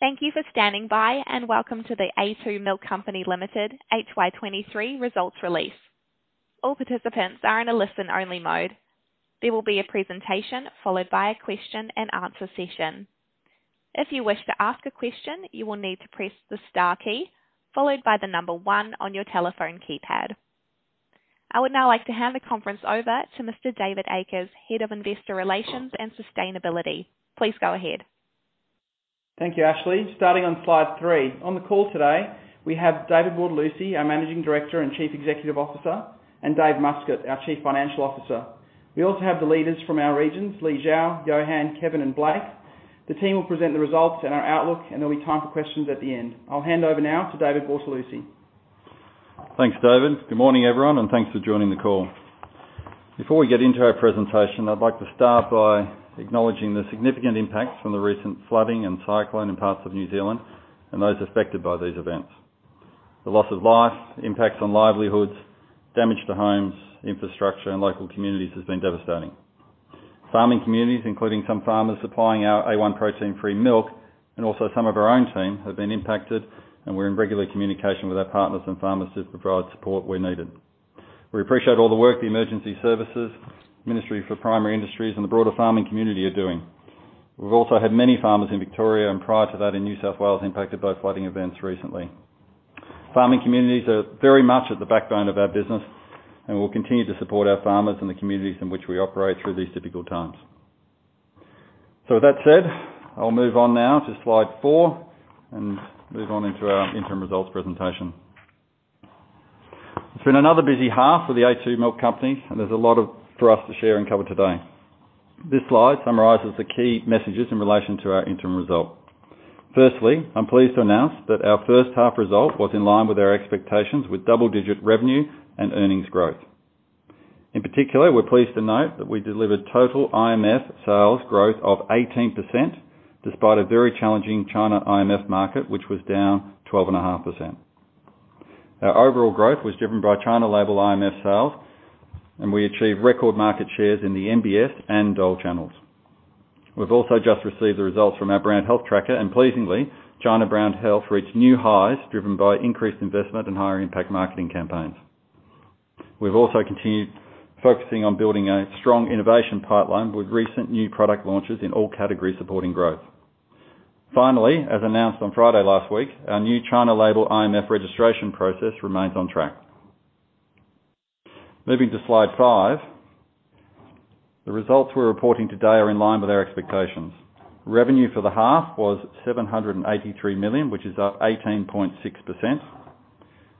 Thank you for standing by, welcome to The a2 Milk Company Limited HY 2023 results release. All participants are in a listen-only mode. There will be a presentation followed by a Q&A session. If you wish to ask a question, you will need to press the star key followed by one on your telephone keypad. I would now like to hand the conference over to Mr. David Akers, Head of Investor Relations and Sustainability. Please go ahead. Thank you, Ashley. Starting on slide three. On the call today, we have David Bortolussi, our Managing Director and Chief Executive Officer, and Dave Muscat, our Chief Financial Officer. We also have the leaders from our regions, Li Xiao, Yohan, Kevin, and Blake. The team will present the results and our outlook, and there'll be time for questions at the end. I'll hand over now to David Bortolussi. Thanks, David. Good morning, everyone. Thanks for joining the call. Before we get into our presentation, I'd like to start by acknowledging the significant impacts from the recent flooding and cyclone in parts of New Zealand and those affected by these events. The loss of life, impacts on livelihoods, damage to homes, infrastructure, and local communities has been devastating. Farming communities, including some farmers supplying our A1-protein free milk and also some of our own team, have been impacted. We're in regular communication with our partners and farmers to provide support where needed. We appreciate all the work the emergency services, Ministry for Primary Industries, and the broader farming community are doing. We've also had many farmers in Victoria and prior to that in New South Wales impacted by flooding events recently. Farming communities are very much at the backbone of our business, and we'll continue to support our farmers and the communities in which we operate through these difficult times. With that said, I'll move on now to slide four and move on into our interim results presentation. It's been another busy half for The a2 Milk Company, and there's a lot for us to share and cover today. This slide summarizes the key messages in relation to our interim result. Firstly, I'm pleased to announce that our first half result was in line with our expectations with double-digit revenue and earnings growth. In particular, we're pleased to note that we delivered total IMF sales growth of 18% despite a very challenging China IMF market, which was down 12.5%. Our overall growth was driven by China label IMF sales, and we achieved record market shares in the MBS and DOL channels. We've also just received the results from our brand health tracker, and pleasingly, China brand health reached new highs driven by increased investment and higher impact marketing campaigns. We've also continued focusing on building a strong innovation pipeline with recent new product launches in all categories supporting growth. Finally, as announced on Friday last week, our new China label IMF registration process remains on track. Moving to slide five. The results we're reporting today are in line with our expectations. Revenue for the half was 783 million, which is up 18.6%.Adjusted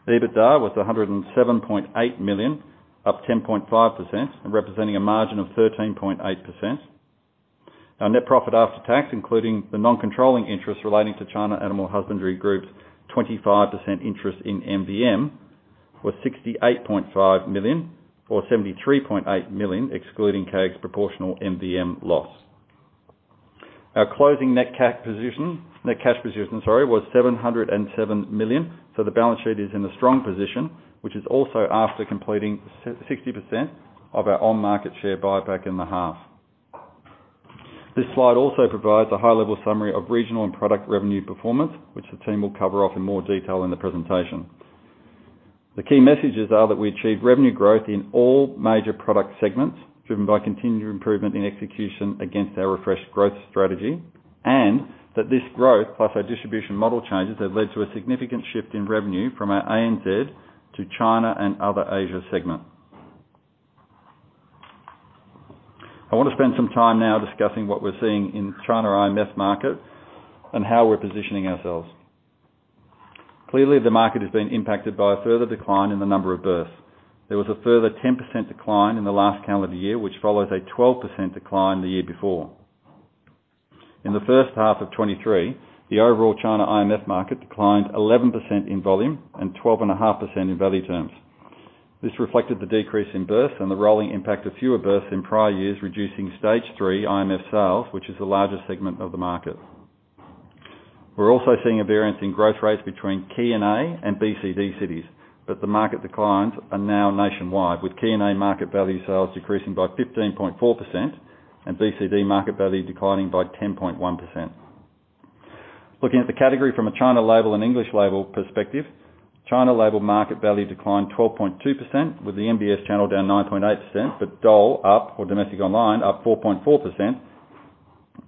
EBITDA was 107.8 million, up 10.5% and representing a margin of 13.8%. Our net profit after tax, including the non-controlling interest relating to China Animal Husbandry Group's 25% interest in MVM, was 68.5 million or 73.8 million excluding CAG's proportional MVM loss. Our closing net cash position, sorry, was 707 million. The balance sheet is in a strong position, which is also after completing 60% of our on-market share buyback in the half. This slide also provides a high-level summary of regional and product revenue performance, which the team will cover off in more detail in the presentation. The key messages are that we achieved revenue growth in all major product segments, driven by continued improvement in execution against our refreshed growth strategy, and that this growth, plus our distribution model changes, have led to a significant shift in revenue from our ANZ to China and other Asia segment. I want to spend some time now discussing what we're seeing in China IMF market and how we're positioning ourselves. Clearly, the market has been impacted by a further decline in the number of births. There was a further 10% decline in the last calendar year, which follows a 12% decline the year before. In the first half of 2023, the overall China IMF market declined 11% in volume and 12.5% in value terms. This reflected the decrease in births and the rolling impact of fewer births in prior years, reducing Stage three IMF sales, which is the largest segment of the market. We're also seeing a variance in growth rates between key K&A and BCD cities, but the market declines are now nationwide, with K&A market value sales decreasing by 15.4% and BCD market value declining by 10.1%. Looking at the category from a China label and English label perspective, China label market value declined 12.2%, with the MBS channel down 9.8%, but DOL up or domestic online up 4.4%.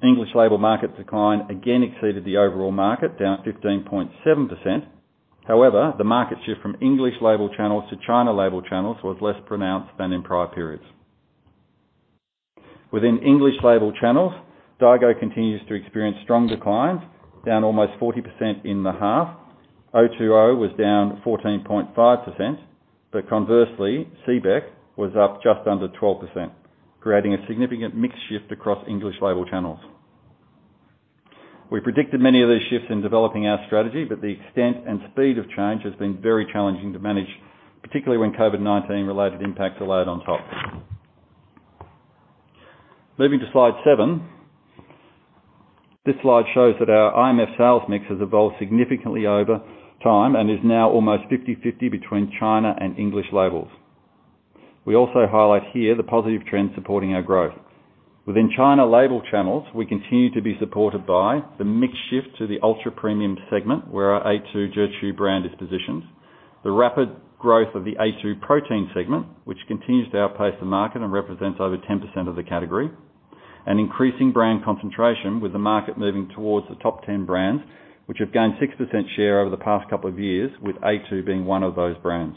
English label market decline again exceeded the overall market, down 15.7%. The market shift from English label channels to China label channels was less pronounced than in prior periods. Within English label channels, daigou continues to experience strong declines, down almost 40% in the half. O2O was down 14.5%, conversely, CBEC was up just under 12%, creating a significant mix shift across English label channels. We predicted many of these shifts in developing our strategy, but the extent and speed of change has been very challenging to manage, particularly when COVID-19-related impacts are layered on top. Moving to slide seven. This slide shows that our IMF sales mix has evolved significantly over time and is now almost 50/50 between China and English labels. We also highlight here the positive trends supporting our growth. Within China label channels, we continue to be supported by the mix shift to the ultra premium segment, where our a2 Zhichu brand is positioned. The rapid growth of the A2 protein segment, which continues to outpace the market and represents over 10% of the category, and increasing brand concentration with the market moving towards the top 10 brands, which have gained 6% share over the past couple of years, with a2 being one of those brands.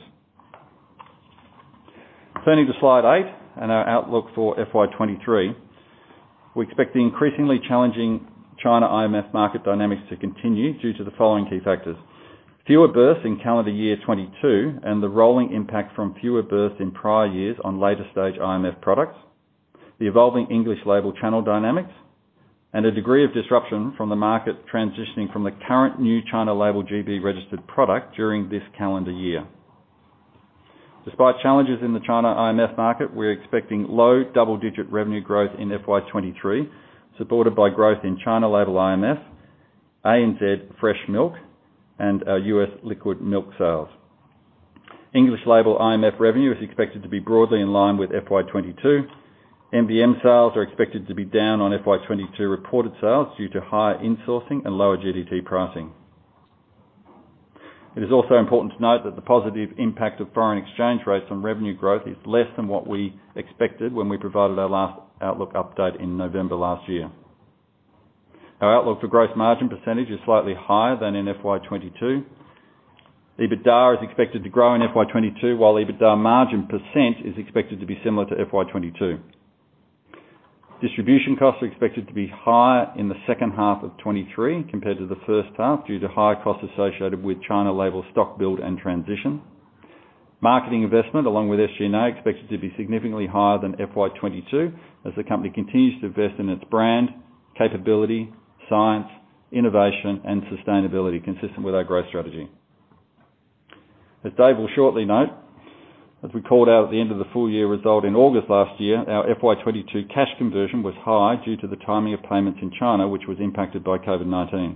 Turning to slide eight and our outlook for FY 2023. We expect the increasingly challenging China IMF market dynamics to continue due to the following key factors. Fewer births in calendar year 2022 and the rolling impact from fewer births in prior years on later stage IMF products, the evolving English label channel dynamics, and a degree of disruption from the market transitioning from the current new China label GB registered product during this calendar year. Despite challenges in the China IMF market, we're expecting low double-digit revenue growth in FY 2023, supported by growth in China label IMF, ANZ fresh milk, and our U.S. liquid milk sales. English label IMF revenue is expected to be broadly in line with FY 2022. MVM sales are expected to be down on FY 2022 reported sales due to higher insourcing and lower GDT pricing. It is also important to note that the positive impact of foreign exchange rates on revenue growth is less than what we expected when we provided our last outlook update in November last year. Our outlook for growth margin percentage is slightly higher than in FY 2022.Adjusted EBITDA is expected to grow in FY 2022, while EBITDA margin percent is expected to be similar to FY 2022. Distribution costs are expected to be higher in the second half of 2023 compared to the first half, due to higher costs associated with China label stock build and transition. Marketing investment along with SG&A expected to be significantly higher than FY 2022 as the company continues to invest in its brand, capability, science, innovation, and sustainability consistent with our growth strategy. As Dave will shortly note, as we called out at the end of the full year result in August last year, our FY 2022 cash conversion was high due to the timing of payments in China, which was impacted by COVID-19.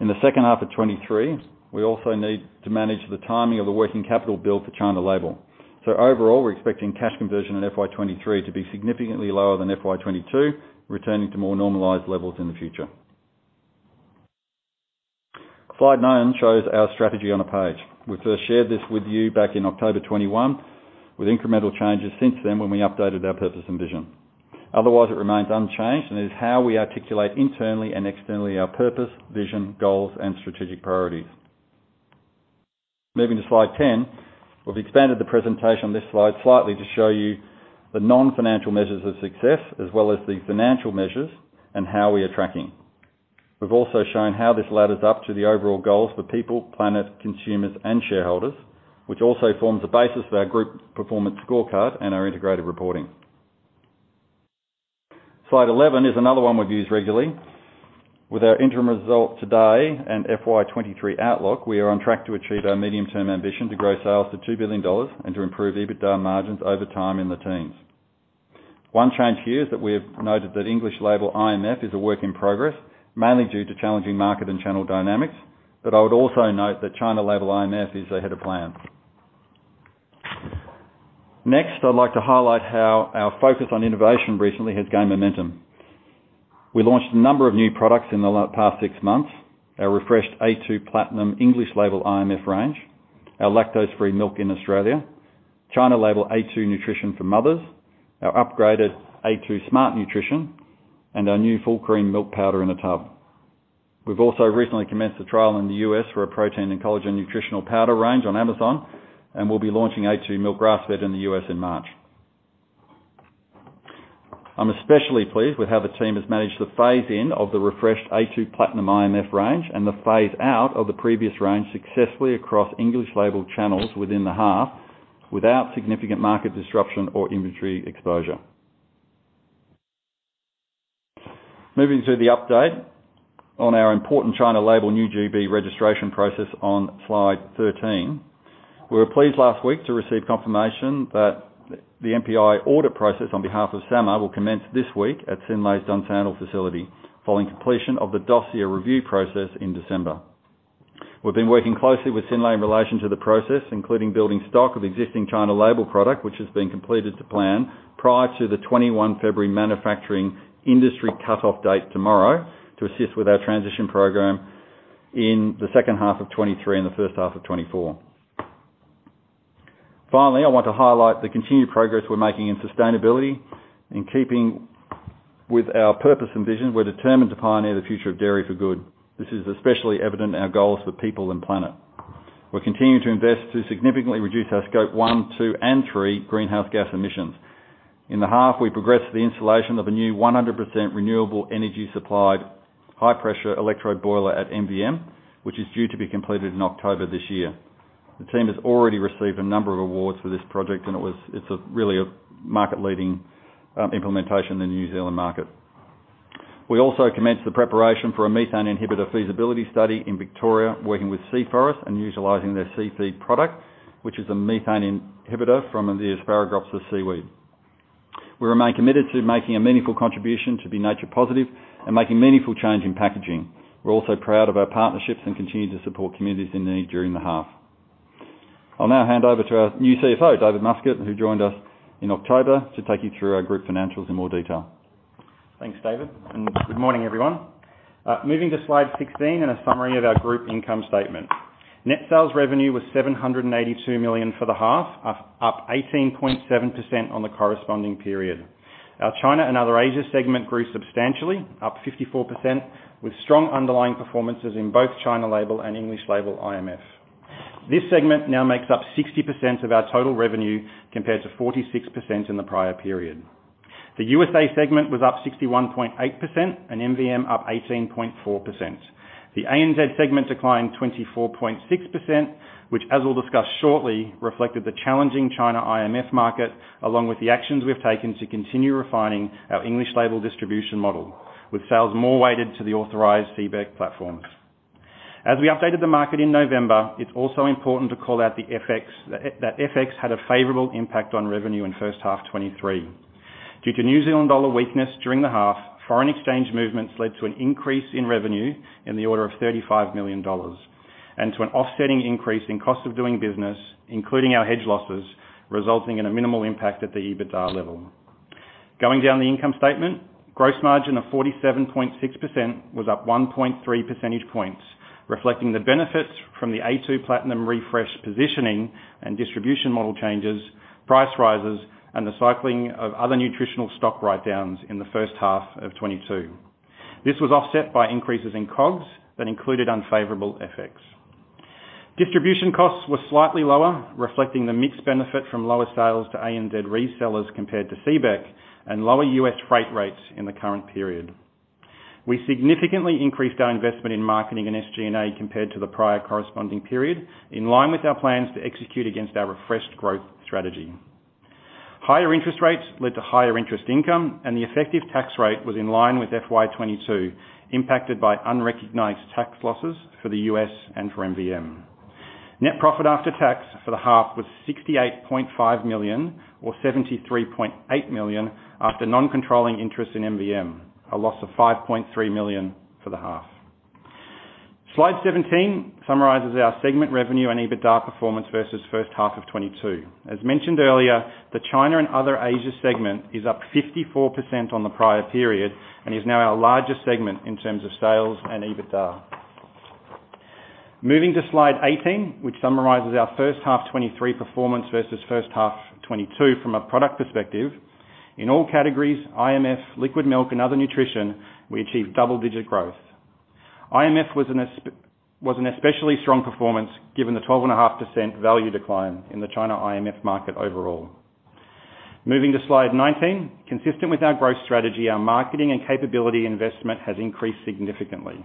In the second half of 2023, we also need to manage the timing of the working capital build for China label. Overall, we're expecting cash conversion in FY 2023 to be significantly lower than FY 2022, returning to more normalized levels in the future. Slide nine shows our strategy on a page. We first shared this with you back in October 2021, with incremental changes since then when we updated our purpose and vision. It remains unchanged, and it is how we articulate internally and externally our purpose, vision, goals, and strategic priorities. Moving to Slide 10, we've expanded the presentation on this slide slightly to show you the non-financial measures of success as well as the financial measures and how we are tracking. We've also shown how this ladders up to the overall goals for people, planet, consumers, and shareholders, which also forms the basis of our group performance scorecard and our integrated reporting. Slide 11 is another one we've used regularly. With our interim result today and FY 2023 outlook, we are on track to achieve our medium-term ambition to grow sales to 2 billion dollars and to improve EBITDA margins over time in the teens. One change here is that we've noted that English label IMF is a work in progress, mainly due to challenging market and channel dynamics. I would also note that China label IMF is ahead of plan. Next, I'd like to highlight how our focus on innovation recently has gained momentum. We launched a number of new products in the past six months, our refreshed a2 Platinum English label IMF range, our Lactose Free milk in Australia, China label a2 Nutrition for mothers, our upgraded a2 Smart Nutrition, and our new full cream milk powder in a tub. We've also recently commenced a trial in the U.S. for a protein and collagen nutritional powder range on Amazon. We'll be launching a2 Milk® Grassfed in the U.S. in March. I'm especially pleased with how the team has managed the phase in of the refreshed a2 Platinum IMF range and the phase out of the previous range successfully across English label channels within the half without significant market disruption or inventory exposure. Moving to the update on our important China label new GB registration process on slide 13. We were pleased last week to receive confirmation that the NPI audit process on behalf of SAMR will commence this week at Synlait's Dunsandel facility following completion of the dossier review process in December. We've been working closely with Synlait in relation to the process, including building stock of existing China label product, which has been completed to plan prior to the 21 February manufacturing industry cutoff date tomorrow to assist with our transition program in the second half of 2023 and the first half of 2024. I want to highlight the continued progress we're making in sustainability. In keeping with our purpose and vision, we're determined to pioneer the future of dairy for good. This is especially evident in our goals for people and planet. We're continuing to invest to significantly reduce our Scope one, two, and three greenhouse gas emissions. In the half, we progressed the installation of a new 100% renewable energy-supplied high-pressure electrode boiler at MVM, which is due to be completed in October this year. The team has already received a number of awards for this project, and it's a really a market-leading implementation in the New Zealand market. We also commenced the preparation for a methane inhibitor feasibility study in Victoria working with Sea Forest and utilizing their SeaFeed product, which is a methane inhibitor from the Asparagopsis seaweed. We remain committed to making a meaningful contribution to be nature positive and making meaningful change in packaging. We're also proud of our partnerships and continue to support communities in need during the half. I'll now hand over to our new CFO, David Muscat, who joined us in October to take you through our group financials in more detail. Thanks, David. Good morning, everyone. Moving to slide 16 and a summary of our group income statement. Net sales revenue was 782 million for the half, up 18.7% on the corresponding period. Our China and Other Asia segment grew substantially, up 54%, with strong underlying performances in both China label and English label IMF. This segment now makes up 60% of our total revenue, compared to 46% in the prior period. The U.S.A segment was up 61.8% and MVM up 18.4%. The ANZ segment declined 24.6%, which, as we'll discuss shortly, reflected the challenging China IMF market, along with the actions we've taken to continue refining our English label distribution model, with sales more weighted to the authorized feedback platforms. As we updated the market in November, it's also important to call out the FX, that FX had a favorable impact on revenue in first half 2023. Due to New Zealand dollar weakness during the half, foreign exchange movements led to an increase in revenue in the order of 35 million dollars and to an offsetting increase in cost of doing business, including our hedge losses, resulting in a minimal impact at the Adjusted EBITDA level. Going down the income statement, gross margin of 47.6% was up 1.3 % points, reflecting the benefits from the a2 Platinum refresh positioning and distribution model changes, price rises, and the cycling of other nutritional stock write-downs in the first half of 2022. This was offset by increases in COGS that included unfavorable FX. Distribution costs were slightly lower, reflecting the mixed benefit from lower sales to ANZ resellers compared to CBEC and lower U.S. freight rates in the current period. We significantly increased our investment in marketing and SG&A compared to the prior corresponding period, in line with our plans to execute against our refreshed growth strategy. Higher interest rates led to higher interest income. The effective tax rate was in line with FY 2022, impacted by unrecognized tax losses for the U.S. and for MVM. Net profit after tax for the half was 68.5 million or 73.8 million after non-controlling interest in MVM, a loss of 5.3 million for the half. Slide 17 summarizes our segment revenue and EBITDA performance versus first half of 2022. As mentioned earlier, the China and Other Asia segment is up 54% on the prior period and is now our largest segment in terms of sales and Adjusted EBITDA. Moving to slide 18, which summarizes our first half 2023 performance versus first half 2022 from a product perspective. In all categories, IMF, liquid milk, and other nutrition, we achieved double-digit growth. IMF was an especially strong performance given the 12.5% value decline in the China IMF market overall. Moving to slide 19. Consistent with our growth strategy, our marketing and capability investment has increased significantly.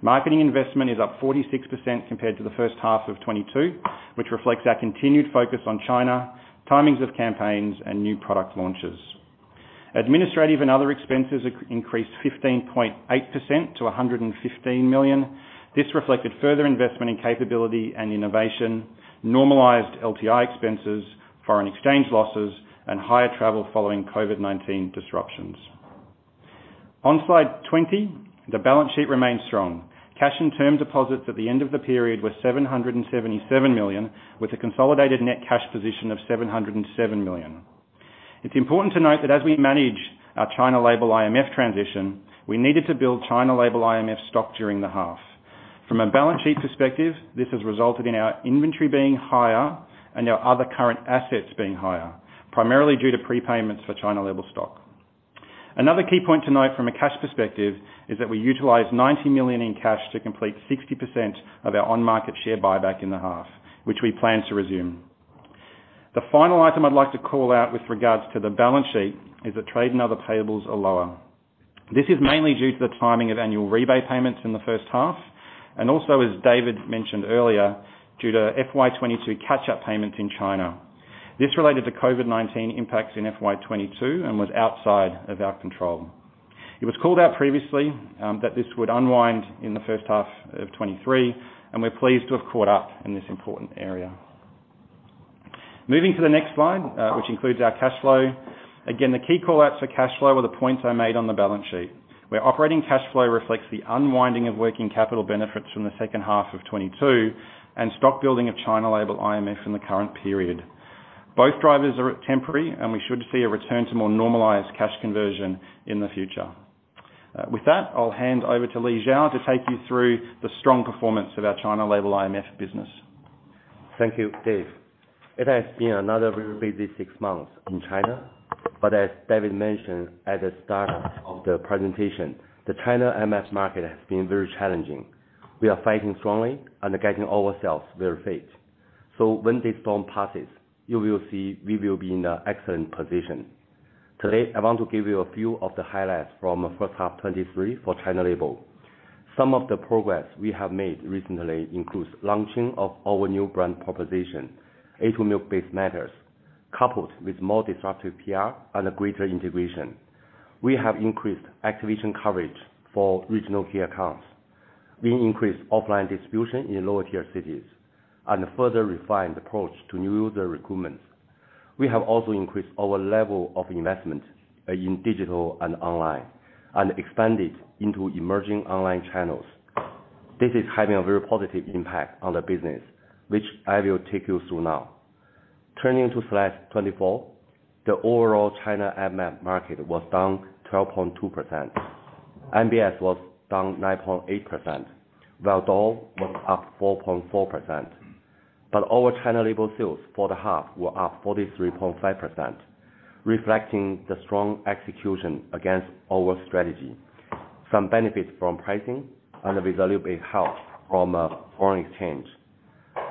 Marketing investment is up 46% compared to the first half of 2022, which reflects our continued focus on China, timings of campaigns, and new product launches. Administrative and other expenses increased 15.8% to 115 million. This reflected further investment in capability and innovation, normalized LTI expenses, foreign exchange losses, and higher travel following COVID-19 disruptions. On slide 20, the balance sheet remains strong. Cash and term deposits at the end of the period were 777 million, with a consolidated net cash position of 707 million. It's important to note that as we manage our China label IMF transition, we needed to build China label IMF stock during the half. From a balance sheet perspective, this has resulted in our inventory being higher and our other current assets being higher, primarily due to prepayments for China label stock. Another key point to note from a cash perspective is that we utilized 90 million in cash to complete 60% of our on-market share buyback in the half, which we plan to resume. The final item I'd like to call out with regards to the balance sheet is that trade and other payables are lower. This is mainly due to the timing of annual rebate payments in the first half and also, as David mentioned earlier, due to FY 2022 catch-up payments in China. This related to COVID-19 impacts in FY 2022 and was outside of our control. It was called out previously that this would unwind in the first half of 2023, and we're pleased to have caught up in this important area. Moving to the next slide, which includes our cash flow. The key call-outs for cash flow were the points I made on the balance sheet, where operating cash flow reflects the unwinding of working capital benefits from the second half of 2022 and stock building of China label IMF in the current period. Both drivers are temporary, and we should see a return to more normalized cash conversion in the future. With that, I'll hand over to Li Xiao to take you through the strong performance of our China label IMF business. Thank you, Dave. It has been another very busy six months in China, as David mentioned at the start of the presentation, the China IMF market has been very challenging. We are fighting strongly and getting ourselves very fit. When this storm passes, you will see we will be in an excellent position. Today, I want to give you a few of the highlights from first half 2023 for China label. Some of the progress we have made recently includes launching of our new brand proposition, a2 Milk™ Because Milk Matters, coupled with more disruptive PR and greater integration. We have increased activation coverage for regional key accounts. We increased offline distribution in lower tier cities and further refined approach to new user recruitment. We have also increased our level of investment in digital and online, and expanded into emerging online channels. This is having a very positive impact on the business, which I will take you through now. Turning to slide 24. The overall China IMF market was down 12.2%. MBS was down 9.8%, while DOL was up 4.4%. Our China label sales for the half were up 43.5%, reflecting the strong execution against our strategy. Some benefits from pricing and with a little bit help from foreign exchange.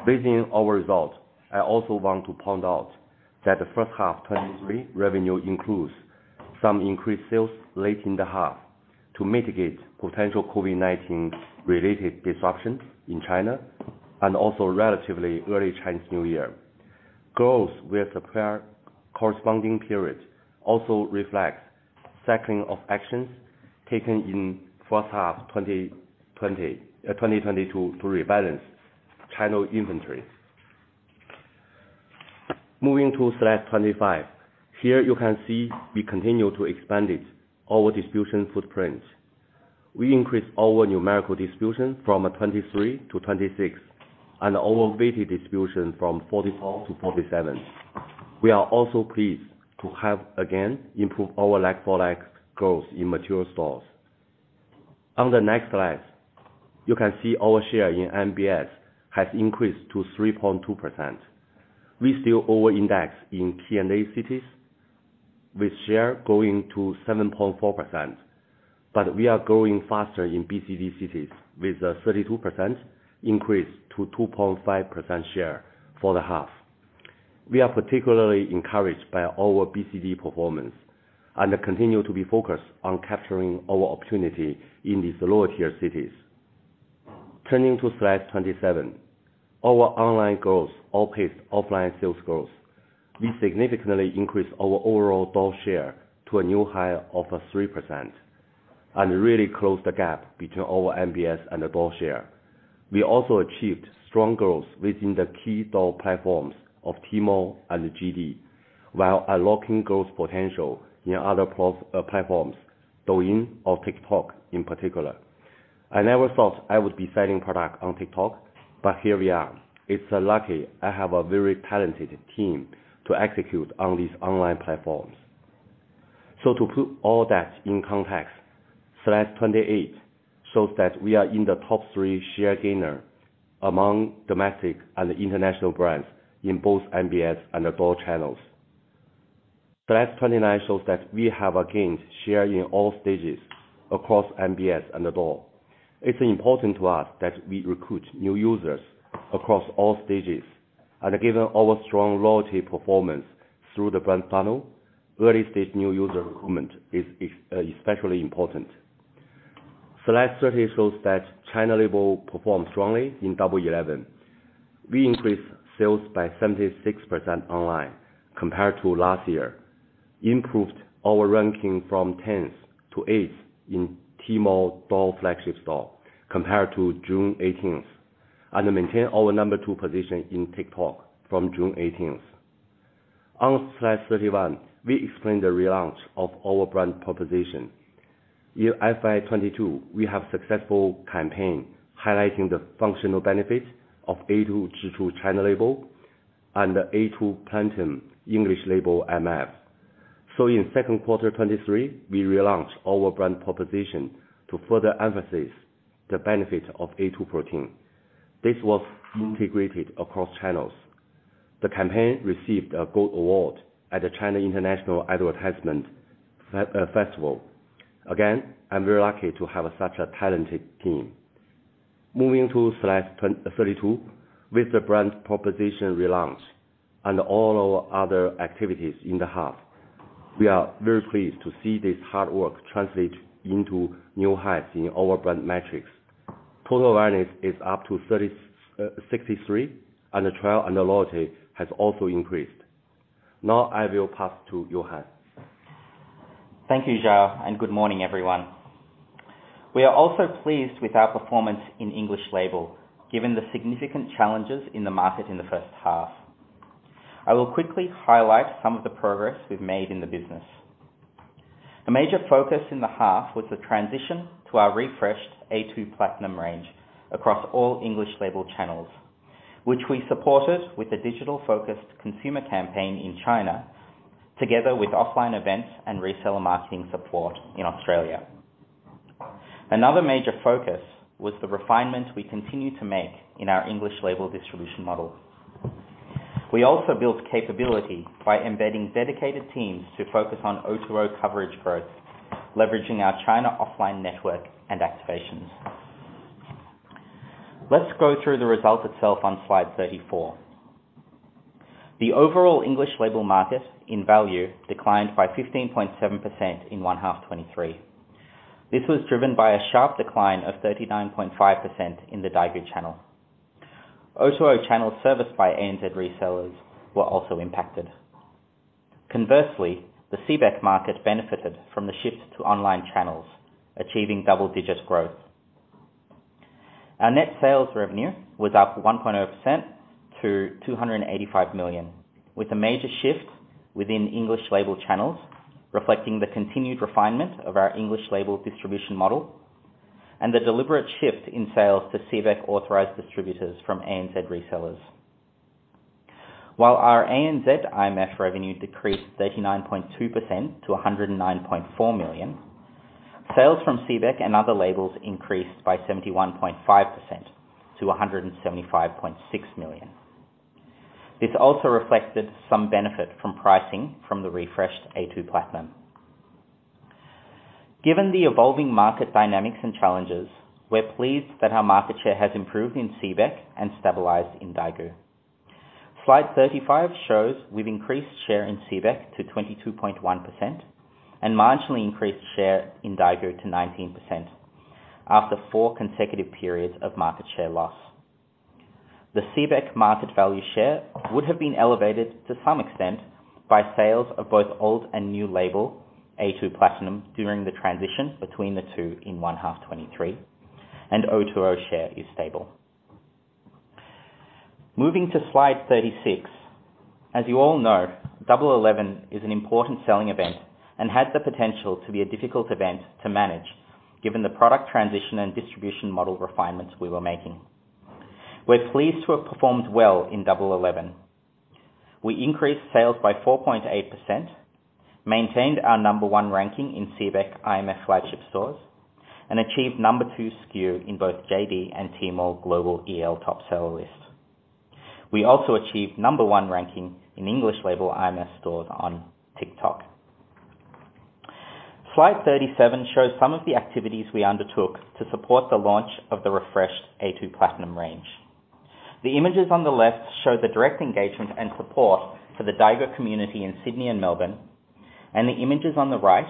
Based on our results, I also want to point out that the first half 2023 revenue includes some increased sales late in the half to mitigate potential COVID-19 related disruptions in China, and also relatively early Chinese New Year. Growth with the prior corresponding period also reflects cycling of actions taken in first half 2022 to rebalance China inventory. Moving to slide 25. Here you can see we continue to expand it, our distribution footprint. We increased our numerical distribution from 23 - 26, and our weighted distribution from 44 - 47. We are also pleased to have again improved our like-for-like growth in mature stores. On the next slide, you can see our share in MBS has increased to 3.2%. We still over-index in T&A cities with share growing to 7.4%, but we are growing faster in BCD cities with a 32% increase to 2.5% share for the half. We are particularly encouraged by our BCD performance and continue to be focused on capturing our opportunity in these lower tier cities. Turning to slide 27. Our online growth outpaced offline sales growth. We significantly increased our overall door share to a new high of 3%, and really closed the gap between our MBS and the door share. We also achieved strong growth within the key door platforms of Tmall and JD, while unlocking growth potential in other platforms, Douyin or TikTok in particular. I never thought I would be selling product on TikTok, but here we are. It's lucky I have a very talented team to execute on these online platforms. To put all that in context, slide 28 shows that we are in the top three share gainer among domestic and international brands in both MBS and the door channels. Slide 29 shows that we have again, share in all stages across MBS and the door. It's important to us that we recruit new users across all stages, given our strong loyalty performance through the brand funnel, early stage new user recruitment is especially important. Slide 30 shows that China label performed strongly in Double Eleven. We increased sales by 76% online compared to last year, improved our ranking from 10th to 8th in Tmall Door flagship store compared to June 18th, maintain our number two position in TikTok from June 18th. On slide 31, we explain the relaunch of our brand proposition. In FY 2022, we have successful campaign highlighting the functional benefits of a2 Zhichu China label and the a2 Platinum English label MF. In second quarter 2023, we relaunched our brand proposition to further emphasize the benefit of a2 protein. This was integrated across channels. The campaign received a Gold Award at the China International Advertising Festival. Again, I'm very lucky to have such a talented team. Moving to slide 32. With the brand proposition relaunch and all our other activities in the half, we are very pleased to see this hard work translate into new highs in our brand metrics. Total awareness is up to 63, and the trial and the loyalty has also increased. Now I will pass to Yohan. Thank you, Xiao, and good morning, everyone. We are also pleased with our performance in English label, given the significant challenges in the market in the first half. I will quickly highlight some of the progress we've made in the business. A major focus in the half was the transition to our refreshed a2 Platinum range across all English label channels, which we supported with a digital-focused consumer campaign in China, together with offline events and reseller marketing support in Australia. Another major focus was the refinement we continue to make in our English label distribution model. We also built capability by embedding dedicated teams to focus on O2O coverage growth, leveraging our China offline network and activations. Let's go through the results itself on slide 34. The overall English label market in value declined by 15.7% in first half 2023. This was driven by a sharp decline of 39.5% in the Daigou channel. O2O channels serviced by ANZ resellers were also impacted. Conversely, the CBEC market benefited from the shift to online channels, achieving double-digit growth. Our net sales revenue was up 1.0% to 285 million, with a major shift within English label channels, reflecting the continued refinement of our English label distribution model and the deliberate shift in sales to CBEC authorized distributors from ANZ resellers. While our ANZ IMF revenue decreased 39.2% to 109.4 million, sales from CBEC and other labels increased by 71.5% to 175.6 million. This also reflected some benefit from pricing from the refreshed a2 Platinum. Given the evolving market dynamics and challenges, we're pleased that our market share has improved in CBEC and stabilized in Daigou. Slide 35 shows we've increased share in CBEC to 22.1% and marginally increased share in Daigou to 19% after four consecutive periods of market share loss. The CBEC market value share would have been elevated to some extent by sales of both old and new label a2 Platinum during the transition between the two in one half 2023, and O2O share is stable. Moving to slide 36. As you all know, Double 11 is an important selling event and has the potential to be a difficult event to manage given the product transition and distribution model refinements we were making. We're pleased to have performed well in Double 11. We increased sales by 4.8%, maintained our number one ranking in CBEC IMF flagship stores, achieved number two SKU in both JD.com and Tmall Global EL top seller list. We also achieved number one ranking in English label IMF stores on TikTok. Slide 37 shows some of the activities we undertook to support the launch of the refreshed a2 Platinum range. The images on the left show the direct engagement and support for the Daigou community in Sydney and Melbourne. The images on the right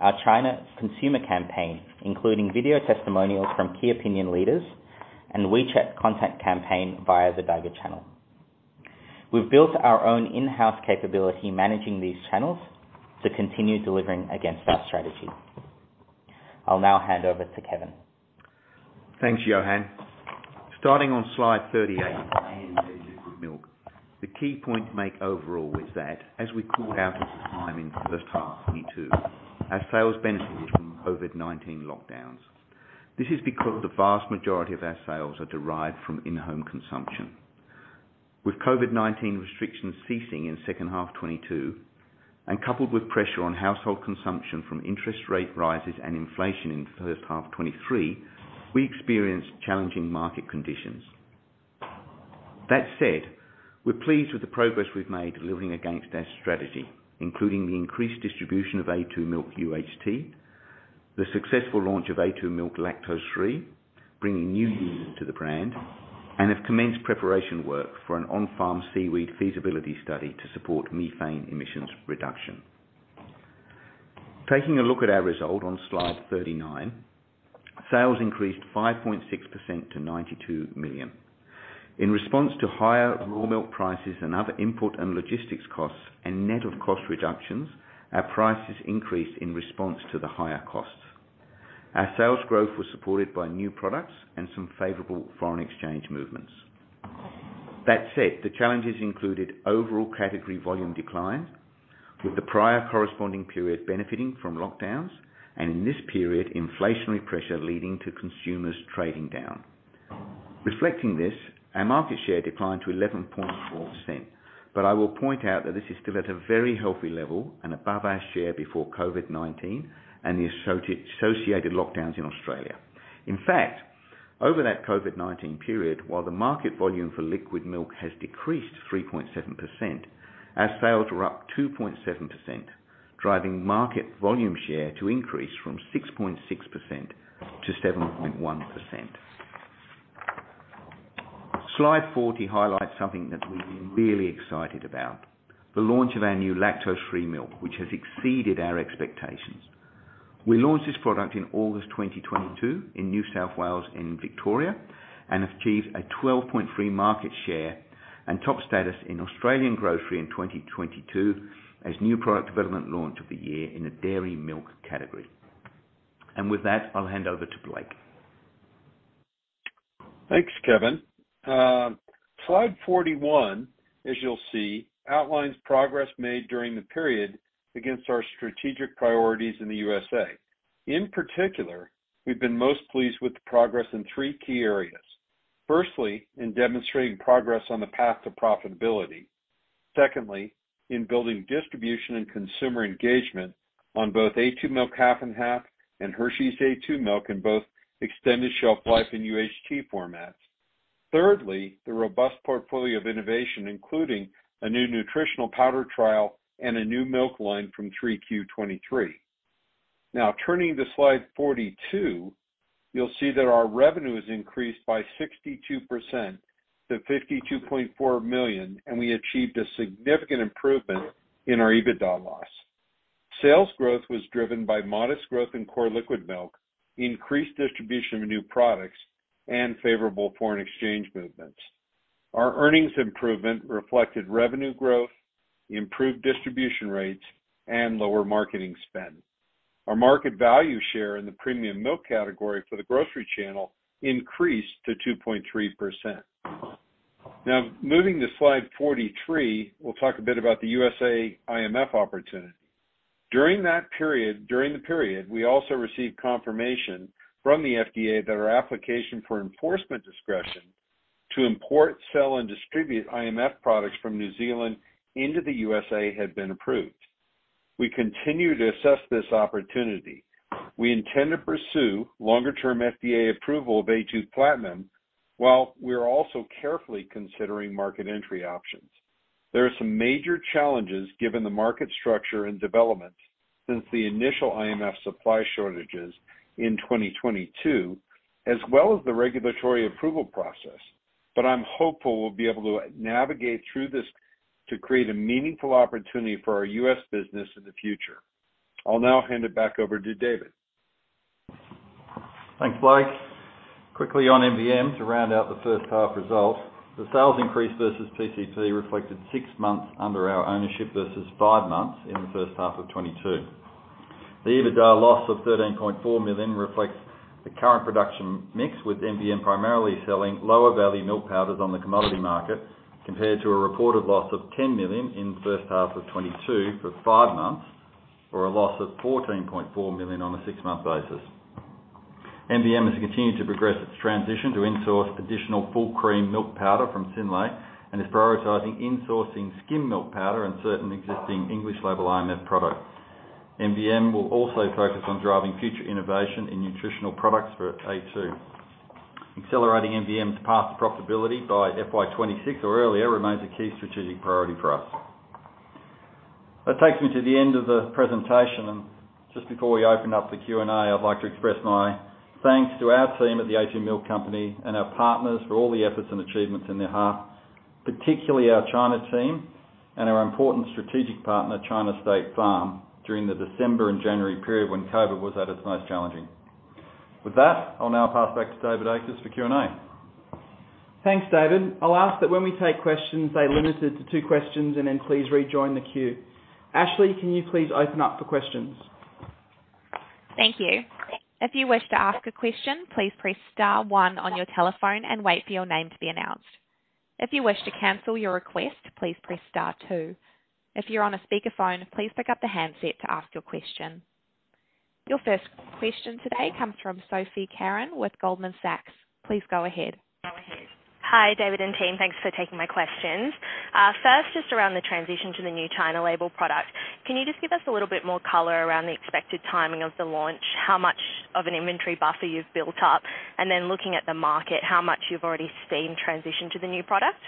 are China consumer campaign, including video testimonials from key opinion leaders and WeChat content campaign via the Daigou channel. We've built our own in-house capability managing these channels to continue delivering against our strategy. I'll now hand over to Kevin. Thanks, Yohan. Starting on slide 38, ANZ milk. The key point to make overall is that as we called out at the time in the first half 2022, our sales benefited from COVID-19 lockdowns. This is because the vast majority of our sales are derived from in-home consumption. With COVID-19 restrictions ceasing in second half 2022 and coupled with pressure on household consumption from interest rate rises and inflation in the first half 2023, we experienced challenging market conditions. That said, we're pleased with the progress we've made delivering against our strategy, including the increased distribution of a2 Milk UHT, the successful launch of a2 Milk Lactose Free, bringing new users to the brand, and have commenced preparation work for an on-farm seaweed feasibility study to support methane emissions reduction. Taking a look at our result on slide 39, sales increased 5.6% to 92 million. In response to higher raw milk prices and other input and logistics costs and net of cost reductions, our prices increased in response to the higher costs. Our sales growth was supported by new products and some favorable foreign exchange movements. That said, the challenges included overall category volume decline, with the prior corresponding period benefiting from lockdowns and, in this period, inflationary pressure leading to consumers trading down. Reflecting this, our market share declined to 11.4%, but I will point out that this is still at a very healthy level and above our share before COVID-19 and the associated lockdowns in Australia. In fact, over that COVID-19 period, while the market volume for liquid milk has decreased 3.7%, our sales were up 2.7%, driving market volume share to increase from 6.6% - 7.1%. Slide 40 highlights something that we're really excited about, the launch of our new lactose-free milk, which has exceeded our expectations. We launched this product in August 2022 in New South Wales and in Victoria and achieved a 12.3% market share and top status in Australian grocery in 2022 as new product development launch of the year in the dairy milk category. With that, I'll hand over to Blake. Thanks, Kevin. Slide 41, as you'll see, outlines progress made during the period against our strategic priorities in the U.S.A. In particular, we've been most pleased with the progress in three key areas. Firstly, in demonstrating progress on the path to profitability. Secondly, in building distribution and consumer engagement on both a2 Milk® Half & Half and Hershey's a2 Milk® in both extended shelf life and UHT formats. Thirdly, the robust portfolio of innovation, including a new nutritional powder trial and a new milk line from 3Q 2023. Now, turning to slide 42, you'll see that our revenue has increased by 62% to $52.4 million, and we achieved a significant improvement in our Adjusted EBITDA lossSales growth was driven by modest growth in core liquid milk, increased distribution of new products, and favorable foreign exchange movements. Our earnings improvement reflected revenue growth, improved distribution rates, and lower marketing spend. Our market value share in the premium milk category for the grocery channel increased to 2.3%. Moving to slide 43, we'll talk a bit about the U.S.A IMF opportunity. During the period, we also received confirmation from the FDA that our application for enforcement discretion to import, sell, and distribute IMF products from New Zealand into the U.S.A had been approved. We continue to assess this opportunity. We intend to pursue longer-term FDA approval of a2 Platinum, while we are also carefully considering market entry options. There are some major challenges given the market structure and development since the initial IMF supply shortages in 2022, as well as the regulatory approval process. I'm hopeful we'll be able to navigate through this to create a meaningful opportunity for our U.S. business in the future. I'll now hand it back over to David. Thanks, Blake. Quickly on MVM to round out the first half results. The sales increase versus PTP reflected six months under our ownership versus five months in the first half of 2022. The Adjusted EBITDA loss of 13.4 million reflects the current production mix, with MVM primarily selling lower-value milk powders on the commodity market, compared to a reported loss of 10 million in the first half of 2022 for five months or a loss of 14.4 million on a six month basis. MVM has continued to progress its transition to in-source additional full cream milk powder from Synlait and is prioritizing insourcing skim milk powder and certain existing English label IMF products. MVM will also focus on driving future innovation in nutritional products for a2. Accelerating MVM's path to profitability by FY 2026 or earlier remains a key strategic priority for us. That takes me to the end of the presentation, and just before we open up the Q&A, I'd like to express my thanks to our team at The a2 Milk Company and our partners for all the efforts and achievements in the half, particularly our China team and our important strategic partner, China State Farm, during the December and January period when COVID was at its most challenging. With that, I'll now pass back to David Akers for Q&A. Thanks, David. I'll ask that when we take questions, they limit it to two questions and then please rejoin the queue. Ashley, can you please open up for questions? Thank you. If you wish to ask a question, please press star one on your telephone and wait for your name to be announced. If you wish to cancel your request, please press star two. If you're on a speakerphone, please pick up the handset to ask your question. Your first question today comes from Sophie Carran with Goldman Sachs. Please go ahead. Hi, David and team. Thanks for taking my questions. First, just around the transition to the new China label product, can you just give us a little bit more color around the expected timing of the launch, how much of an inventory buffer you've built up, and then looking at the market, how much you've already seen transition to the new product?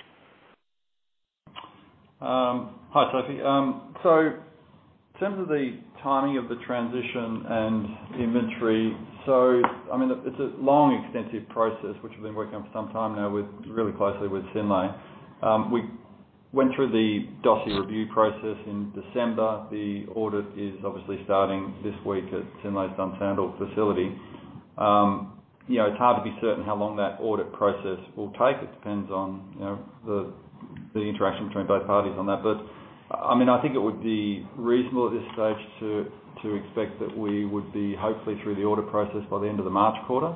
Hi, Sophie. In terms of the timing of the transition and inventory, I mean, it's a long, extensive process which we've been working on for some time now with, really closely with Synlait. We went through the dossier review process in December. The audit is obviously starting this week at Synlait's Dunsandel facility. You know, it's hard to be certain how long that audit process will take. It depends on, you know, the interaction between both parties on that. I mean, I think it would be reasonable at this stage to expect that we would be hopefully through the audit process by the end of the March quarter.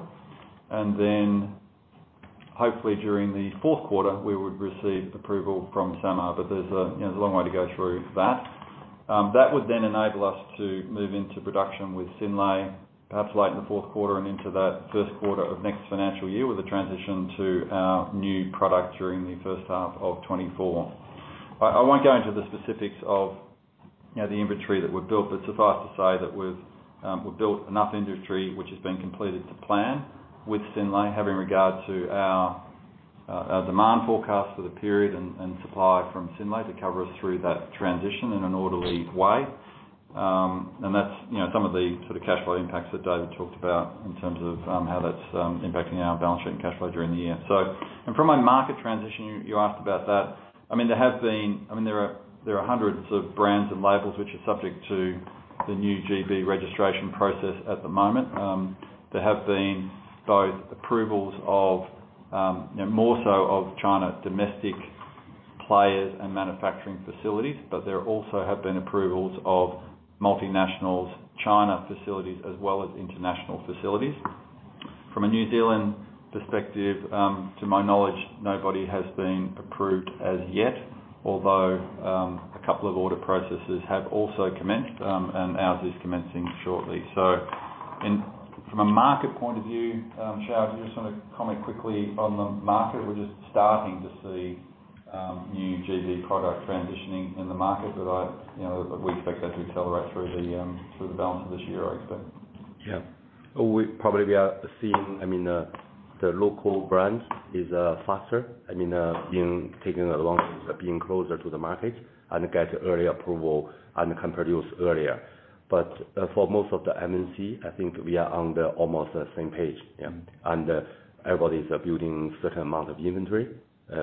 Hopefully during the fourth quarter, we would receive approval from SAMR, but there's a, you know, long way to go through that. That would then enable us to move into production with Synlait, perhaps late in the fourth quarter and into that first quarter of next financial year with a transition to our new product during the first half of 2024. I won't go into the specifics of, you know, the inventory that we've built, but suffice to say that we've built enough inventory which has been completed to plan with Synlait, having regard to our demand forecast for the period and supply from Synlait to cover us through that transition in an orderly way. That's, you know, some of the sort of cash flow impacts that David talked about in terms of how that's impacting our balance sheet and cash flow during the year. From a market transition, you asked about that. I mean, there have been... I mean, there are, there are hundreds of brands and labels which are subject to the new GB registration process at the moment. There have been both approvals of, you know, more so of China domestic players and manufacturing facilities, but there also have been approvals of multinationals China facilities as well as international facilities. From a New Zealand perspective, to my knowledge, nobody has been approved as yet, although a couple of order processes have also commenced, and ours is commencing shortly. From a market point of view, Xiao, do you just wanna comment quickly on the market? We're just starting to see new GB product transitioning in the market, but I, you know, we expect that to accelerate through the balance of this year, I expect. Yeah. We probably are seeing, I mean, the local brands is faster. I mean, in taking a long, being closer to the market and get early approval and can produce earlier. For most of the MNC, I think we are on the almost the same page. Yeah. Everybody's building certain amount of inventory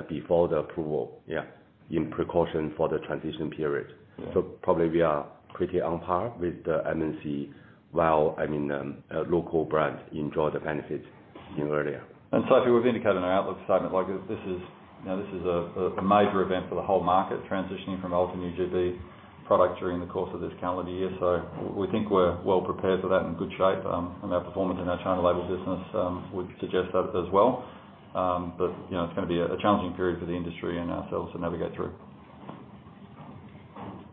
before the approval. Yeah. In precaution for the transition period. Probably we are pretty on par with the MNC, while, I mean, local brands enjoy the benefits. Sophie, we've indicated in our outlook statement, like this is, you know, this is a major event for the whole market, transitioning from ultra new GB product during the course of this calendar year. We think we're well prepared for that in good shape, and our performance in our China label business would suggest that as well. You know, it's gonna be a challenging period for the industry and ourselves to navigate through.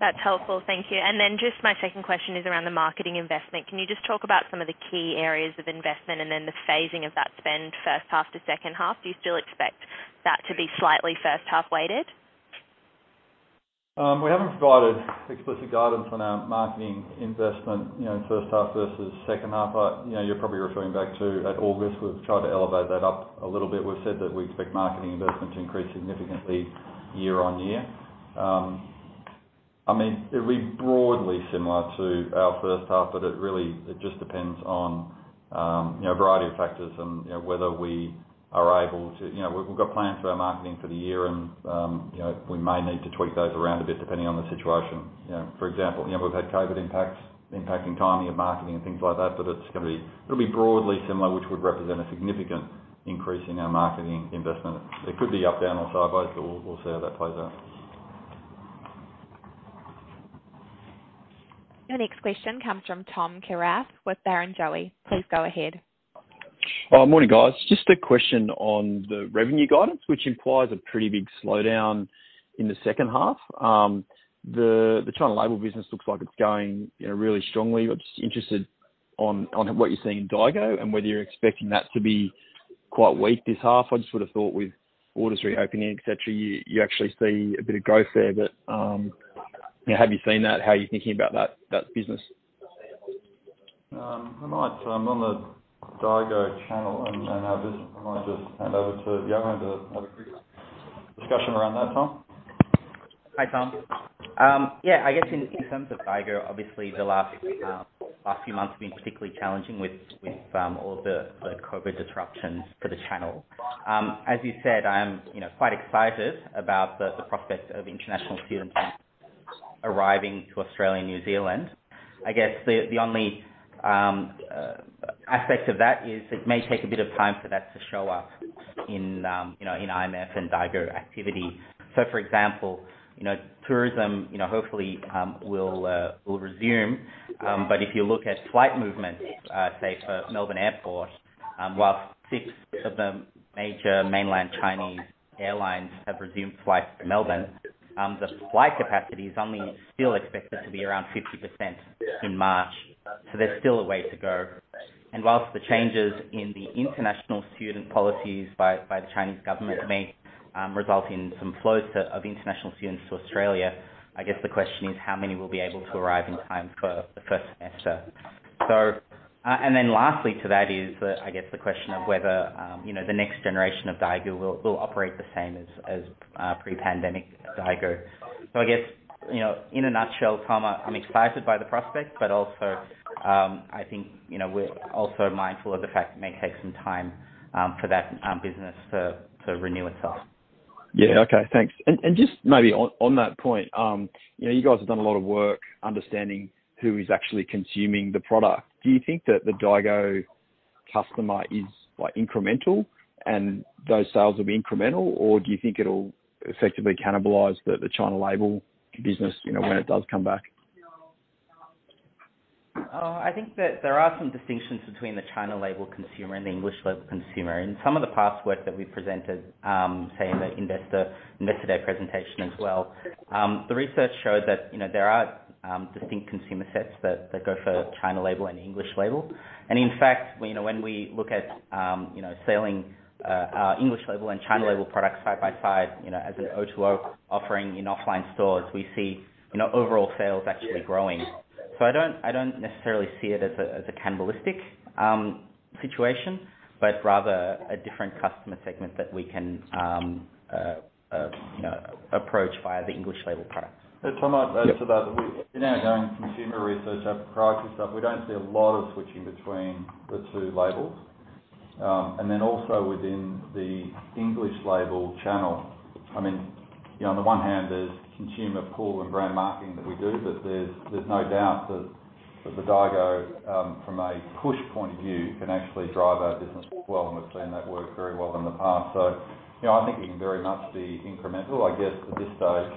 That's helpful, thank you. Just my second question is around the marketing investment. Can you just talk about some of the key areas of investment and then the phasing of that spend first half to second half? Do you still expect that to be slightly first half weighted? We haven't provided explicit guidance on our marketing investment, you know, first half versus second half. You know, you're probably referring back to at August, we've tried to elevate that up a little bit. We've said that we expect marketing investment to increase significantly YoY. I mean, it'll be broadly similar to our first half, but it really, it just depends on, you know, a variety of factors and, you know, whether we are able to. We've got plans for our marketing for the year and, you know, we may need to tweak those around a bit depending on the situation. You know, for example, you know, we've had COVID impacts impacting timing of marketing and things like that, but it'll be broadly similar, which would represent a significant increase in our marketing investment. It could be up, down or sideways, but we'll see how that plays out. Your next question comes from Thomas Kierath with Barrenjoey. Please go ahead. Morning, guys. Just a question on the revenue guidance, which implies a pretty big slowdown in the second half. The China label business looks like it's going, you know, really strongly. I'm just interested on what you're seeing in Daigou and whether you're expecting that to be quite weak this half. I just would've thought with borders reopening, etc., you actually see a bit of growth there. You know, have you seen that? How are you thinking about that business? I might, on the Daigou channel and our business, I might just hand over to Yohan to have a quick discussion around that, Tom. Hi, Tom. Yeah, I guess in terms of Daigou, obviously the last few months have been particularly challenging with all the COVID disruptions for the channel. As you said, I am, you know, quite excited about the prospect of international students arriving to Australia and New Zealand. I guess the only aspect of that is it may take a bit of time for that to show up in, you know, in IMF and Daigou activity. For example, you know, tourism, you know, hopefully will resume. If you look at flight movements, say for Melbourne Airport, while six of the major mainland Chinese airlines have resumed flights to Melbourne, the flight capacity is only still expected to be around 50% in March. There's still a way to go. Whilst the changes in the international student policies by the Chinese government may result in some flows of international students to Australia, I guess the question is how many will be able to arrive in time for the first semester. Lastly to that is I guess the question of whether, you know, the next generation of Daigou will operate the same as pre-pandemic Daigou. I guess, you know, in a nutshell, Tom, I'm excited by the prospect, but also, I think, you know, we're also mindful of the fact it may take some time for that business to renew itself. Okay, thanks. Just maybe on that point, you know, you guys have done a lot of work understanding who is actually consuming the product. Do you think that the Daigou customer is, like, incremental and those sales will be incremental, or do you think it'll effectively cannibalize the China label business, you know, when it does come back? I think that there are some distinctions between the China label consumer and the English label consumer. In some of the past work that we presented, say in the investor day presentation as well, the research showed that, you know, there are distinct consumer sets that go for China label and English label. In fact, you know, when we look at, you know, selling English label and China label products side by side, you know, as an O2O offering in offline stores, we see, you know, overall sales actually growing. I don't necessarily see it as a, as a cannibalistic situation, but rather a different customer segment that we can, you know, approach via the English label products. Tom, I'd add to that, we, in our ongoing consumer research, our priority stuff, we don't see a lot of switching between the two labels. Also within the English label channel, I mean, you know, on the one hand there's consumer pull and brand marketing that we do, but there's no doubt that the Daigou, from a push point of view, can actually drive our business well, and we've seen that work very well in the past. You know, I think it can very much be incremental. I guess at this stage,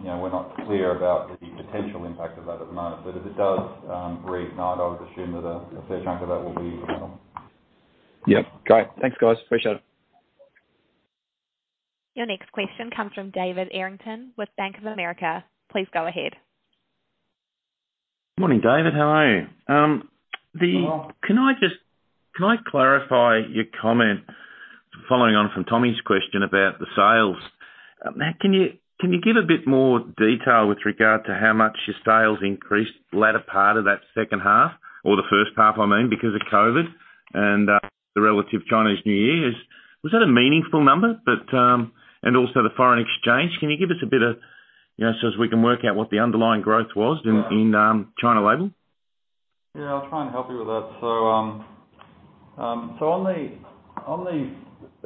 you know, we're not clear about the potential impact of that at the moment. If it does reignite, I would assume that a fair chunk of that will be. Yep. Great. Thanks, guys. Appreciate it. Your next question comes from David Errington with Bank of America. Please go ahead. Morning, David. How are you? Hello. Can I clarify your comment following on from Tommy's question about the sales? Matt, can you give a bit more detail with regard to how much your sales increased latter part of that second half or the first half, I mean, because of COVID and the relative Chinese New Year? Was that a meaningful number? Also the foreign exchange. Can you give us a bit of, you know, so as we can work out what the underlying growth was in China label? I'll try and help you with that. On the,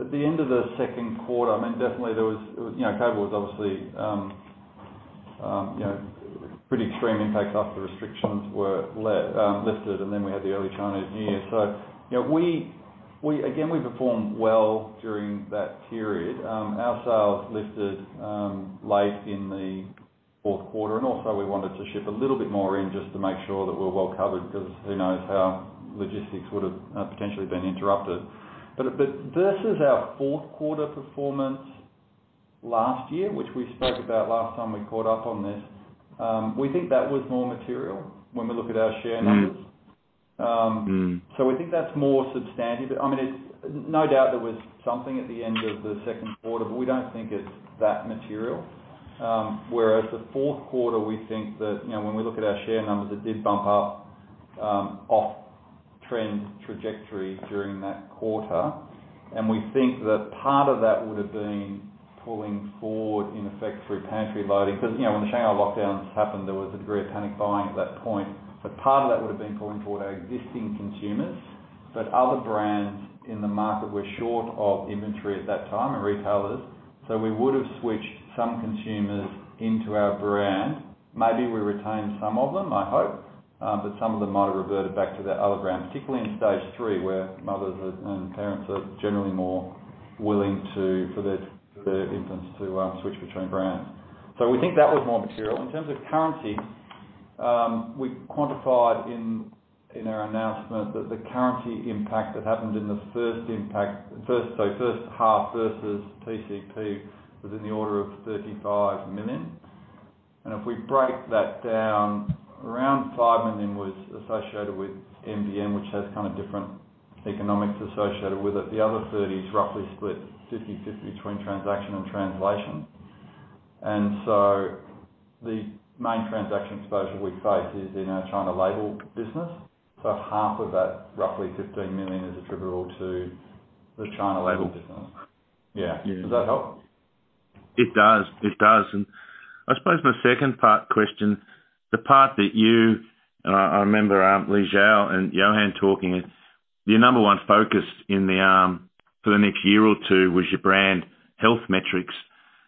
at the end of the second quarter, I mean, definitely there was, it was, you know, COVID was obviously, you know, pretty extreme impact after restrictions were lifted. Then we had the early Chinese New Year. You know, we. Again, we performed well during that period. Our sales lifted late in the fourth quarter. Also we wanted to ship a little bit more in just to make sure that we're well covered, because who knows how logistics would've potentially been interrupted. Versus our fourth quarter performance last year, which we spoke about last time we caught up on this, we think that was more material when we look at our share numbers. Um- We think that's more substantive. I mean, it's no doubt there was something at the end of the second quarter, but we don't think it's that material. Whereas the fourth quarter, we think that, you know, when we look at our share numbers, it did bump up off trend trajectory during that quarter. We think that part of that would've been pulling forward in effect through pantry loading, 'cause, you know, when the Shanghai lockdowns happened, there was a degree of panic buying at that point. Part of that would've been pulling forward our existing consumers. Other brands in the market were short of inventory at that time, and retailers, so we would've switched some consumers into our brand. Maybe we retained some of them, I hope, but some of them might've reverted back to that other brand, particularly in stage three, where mothers and parents are generally more willing to, for their, for their infants to switch between brands. We think that was more material. In terms of currency, we quantified in our announcement that the currency impact that happened in the first half versus pcp was in the order of 35 million. If we break that down, around 5 million was associated with MVM, which has kind of different economics associated with it. The other 30 is roughly split 50/50 between transaction and translation. The main transaction exposure we face is in our China label business. Half of that, roughly 15 million, is attributable to the China label business. Yeah. Yeah. Does that help? It does, it does. I suppose my second part question, the part that you and I remember Li Xiao and Yohan talking is, your number one focus in the for the next year or two was your brand health metrics,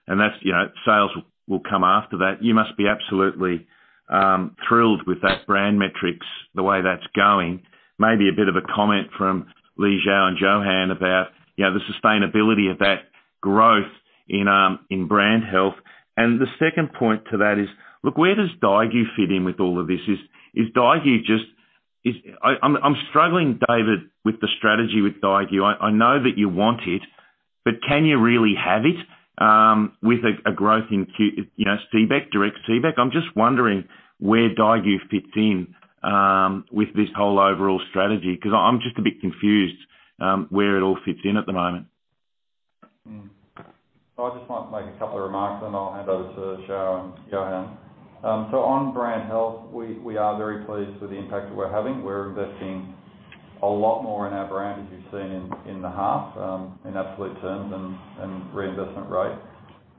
and that's, you know, sales will come after that. You must be absolutely thrilled with that brand metrics, the way that's going. Maybe a bit of a comment from Li Xiao and Yohan about, you know, the sustainability of that growth in in brand health. The second point to that is, look, where does Daigou fit in with all of this? Is Daigou just... I'm, I'm struggling, David, with the strategy with Daigou. I know that you want it, but can you really have it with a a growth in you know, CBEC, direct CBEC? I'm just wondering where Daigou fits in with this whole overall strategy, 'cause I'm just a bit confused where it all fits in at the moment? I just want to make a couple of remarks, then I'll hand over to Zhao and Yohan. On brand health, we are very pleased with the impact that we're having. We're investing a lot more in our brand, as you've seen in the half, in absolute terms and reinvestment rate.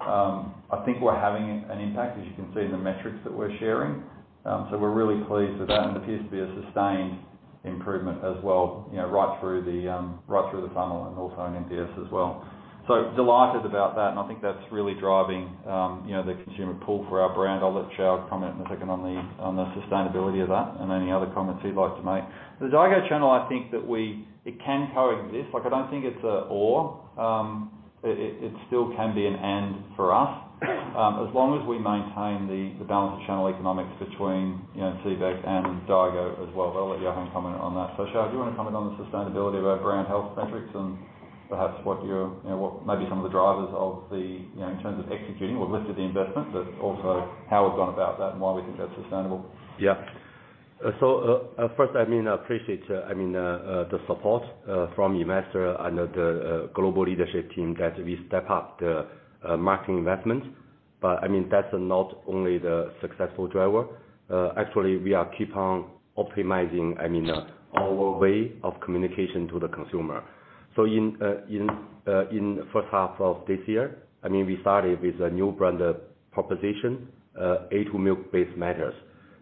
I think we're having an impact, as you can see in the metrics that we're sharing. We're really pleased with that, and it appears to be a sustained improvement as well, you know, right through the right through the funnel and also in NPS as well. Delighted about that, and I think that's really driving, you know, the consumer pull for our brand. I'll let Zhao comment in a second on the sustainability of that, and any other comments he'd like to make. The Daigou channel, it can coexist. Like, I don't think it's a or. It still can be an and for us, as long as we maintain the balance of channel economics between, you know, CBEC and Daigou as well. I'll let Yohan comment on that. Xiao, do you wanna comment on the sustainability of our brand health metrics and perhaps what you're, you know, what maybe some of the drivers of the, you know, in terms of executing or lifting the investment, but also how we've gone about that and why we think that's sustainable? Yeah. First, I mean, I appreciate, I mean, the support from investor and the global leadership team that we step up the marketing investment. But I mean, that's not only the successful driver. Actually, we are keep on optimizing, I mean, our way of communication to the consumer. So in first half of this year, I mean, we started with a new brand proposition, a2 Milk Because it Matters.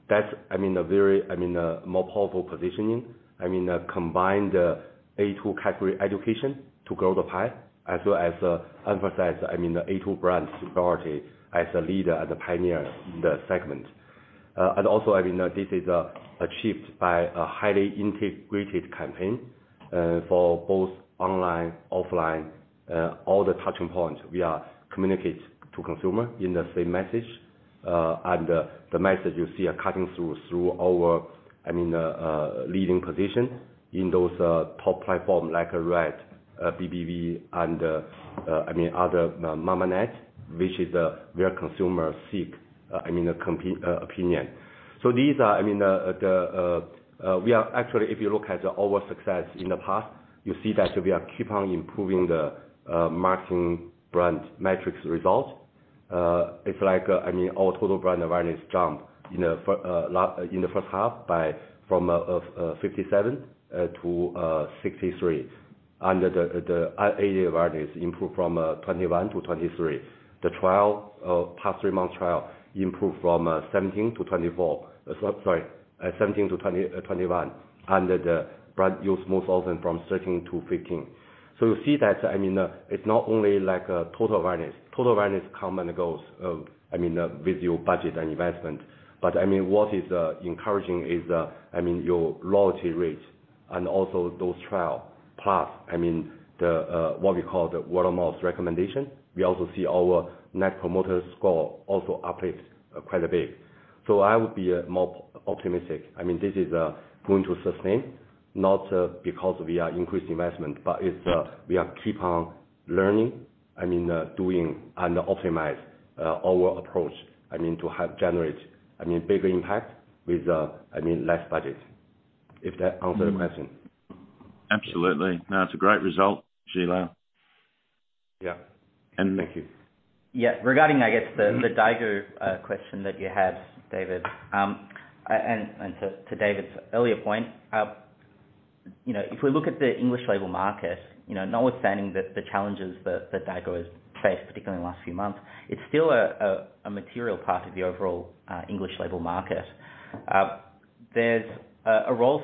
That's, I mean, a very, I mean, a more powerful positioning. I mean, combine the A2 category education to grow the pie, as well as, emphasize, I mean, The a Also, I mean, this is achieved by a highly integrated campaign for both online, offline, all the touching points we are communicate to consumer in the same message. The message you see are cutting through our, I mean, leading position in those top platform like RED, Bilibili, and, I mean, other, Mamanet, which is where consumers seek, I mean, opinion. These are, I mean, the, we are actually, if you look at our success in the past, you see that we are keep on improving the marketing brand metrics result. It's like, I mean, our total brand awareness jumped in the first half by, from, 57% - 63%. Under the aware is improved from 21 - 23. The trial, past three months trial improved from 17 - 24. sorry, 17 - 21. Under the brand use most often from 13 - 15. You see that, I mean, it's not only like a total awareness. Total awareness come and goes, I mean, with your budget and investment. I mean, what is encouraging is, I mean, your loyalty rate and also those trial. Plus, I mean, what we call the word-of-mouth recommendation. We also see our Net Promoter Score also updates quite a bit. I would be more optimistic. I mean, this is going to sustain, not because we are increasing investment, but it's, we are keep on learning, I mean, doing and optimize our approach, I mean, to help generate, I mean, bigger impact with, I mean, less budget. If that answered the question. Absolutely. It's a great result, Li Xiao. Yeah. And- Thank you. Yeah. Regarding, I guess the Daigou question that you had, David. To David's earlier point, you know, if we look at the English label market, you know, notwithstanding the challenges that Daigou has faced, particularly in the last few months, it's still a material part of the overall English label market. There's a role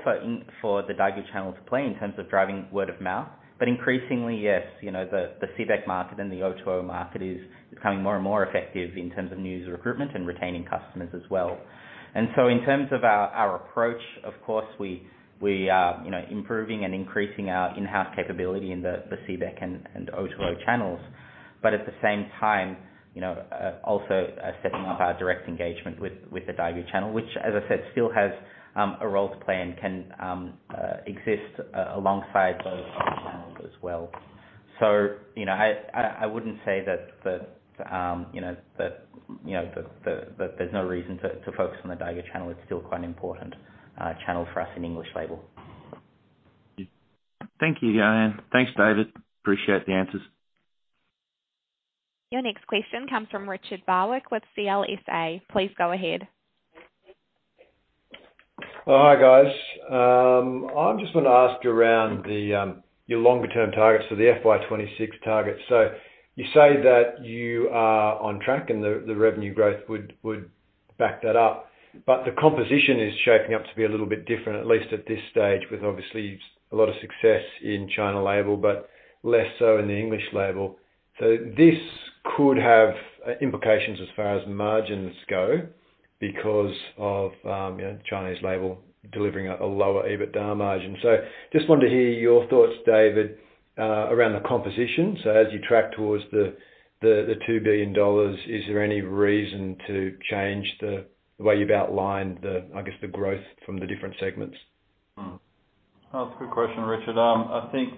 for the Daigou channel to play in terms of driving word-of-mouth. Increasingly, yes, you know, the CBEC market and the O2O market is becoming more and more effective in terms of new user recruitment and retaining customers as well. In terms of our approach, of course, we are, you know, improving and increasing our in-house capability in the CBEC and O2O channels. At the same time, you know, also, setting up our direct engagement with the Daigou channel, which as I said, still has, a role to play and can, exist alongside those other channels as well. You know, I wouldn't say that the, you know, that, you know, that there's no reason to focus on the Daigou channel. It's still quite an important, channel for us in English label. Thank you, Yohan. Thanks, David. Appreciate the answers. Your next question comes from Richard Barwick with CLSA. Please go ahead. Hi, guys. I'm just gonna ask you around your longer term targets for the FY 2026 target. You say that you are on track and the revenue growth would back that up. The composition is shaping up to be a little bit different, at least at this stage, with obviously a lot of success in China label, but less so in the English label. This could have implications as far as margins go because of, you know, Chinese label delivering a lower Adjusted EBITDA margin. Just wanted to hear your thoughts, David, around the composition. As you track towards the 2 billion dollars, is there any reason to change the way you've outlined the, I guess, the growth from the different segments? That's a good question, Richard. I think.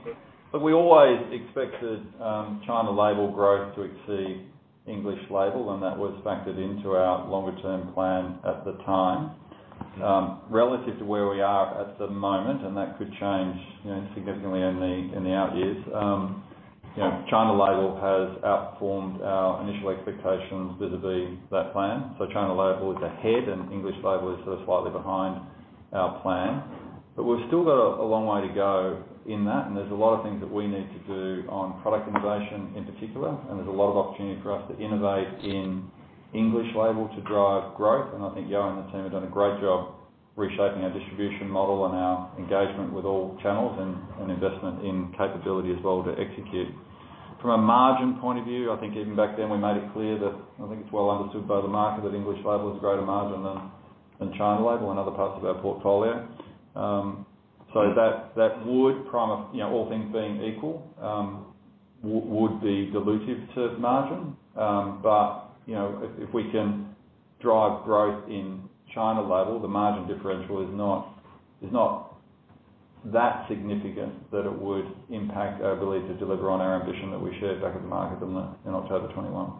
Look, we always expected China label growth to exceed English label. That was factored into our longer term plan at the time. Relative to where we are at the moment, that could change, you know, significantly in the out years. You know, China label has outperformed our initial expectations vis-à-vis that plan. China label is ahead and English label is sort of slightly behind our plan. We've still got a long way to go in that. There's a lot of things that we need to do on product innovation in particular. There's a lot of opportunity for us to innovate in English label to drive growth. I think Yohan and the team have done a great job reshaping our distribution model and our engagement with all channels and investment in capability as well to execute. From a margin point of view, I think even back then we made it clear that I think it's well understood by the market that English label has greater margin than China label and other parts of our portfolio. That would, you know, all things being equal, would be dilutive to margin. You know, if we can drive growth in China label, the margin differential is not that significant that it would impact our ability to deliver on our ambition that we shared back at the market in October 2021.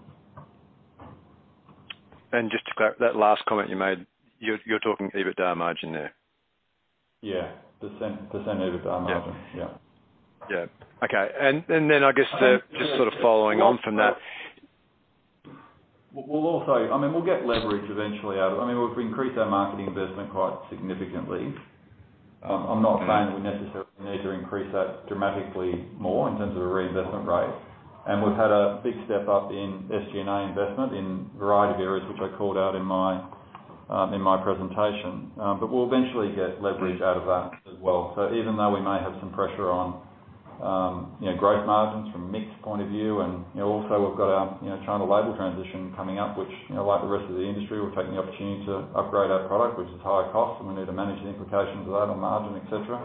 Just to [clarify] that last comment you made, you're talking Adjusted EBITDA margin there? Yeah. Percent EBITDA margin. Yeah. Yeah. Yeah. Okay. And then I guess. I think- Just sort of following on from that. We'll also, I mean, we'll get leverage eventually out of. I mean, we've increased our marketing investment quite significantly. I'm not saying that we necessarily need to increase that dramatically more in terms of a reinvestment rate. We've had a big step up in SG&A investment in a variety of areas, which I called out in my presentation. We'll eventually get leverage out of that as well. Even though we may have some pressure on, you know, growth margins from mix point of view, and, you know, also we've got our, you know, China label transition coming up, which, you know, like the rest of the industry, we're taking the opportunity to upgrade our product, which is higher cost, and we need to manage the implications of that on margin, etc..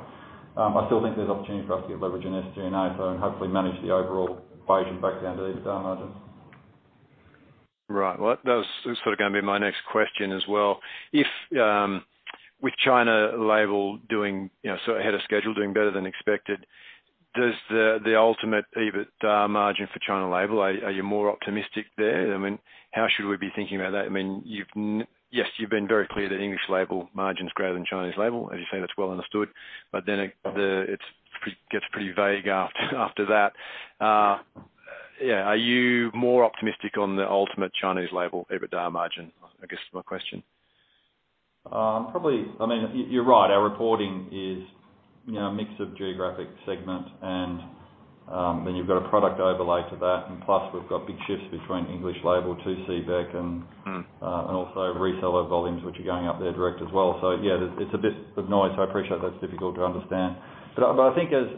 I still think there's opportunity for us to get leverage in SG&A, so, and hopefully manage the overall weight and back down to the EBITDA margins. Right. Well, that was sort of gonna be my next question as well. If, with China label doing, you know, so ahead of schedule, doing better than expected, does the ultimate EBITDA margin for China label, are you more optimistic there? I mean, how should we be thinking about that? I mean, you've yes, you've been very clear that English label margin's greater than Chinese label. As you say, that's well understood, but then it gets pretty vague after that. Yeah. Are you more optimistic on the ultimate Chinese label EBITDA margin, I guess is my question? Probably, I mean, you're right. Our reporting is, you know, a mix of geographic segments and, then you've got a product overlay to that, and plus we've got big shifts between English label to CBEC and also reseller volumes, which are going up there direct as well. Yeah, it's a bit of noise. I appreciate that's difficult to understand. I think as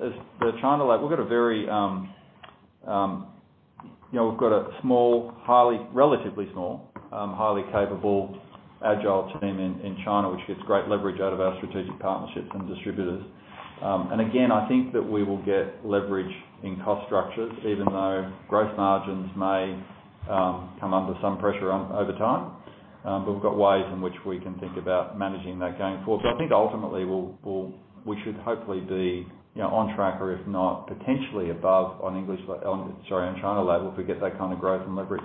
the China label, we've got a very, you know, we've got a small, relatively small, highly capable, agile team in China, which gets great leverage out of our strategic partnerships and distributors. Again, I think that we will get leverage in cost structures even though gross margins may come under some pressure over time. We've got ways in which we can think about managing that going forward. I think ultimately we'll, we should hopefully be, you know, on track or if not potentially above on China label if we get that kind of growth and leverage.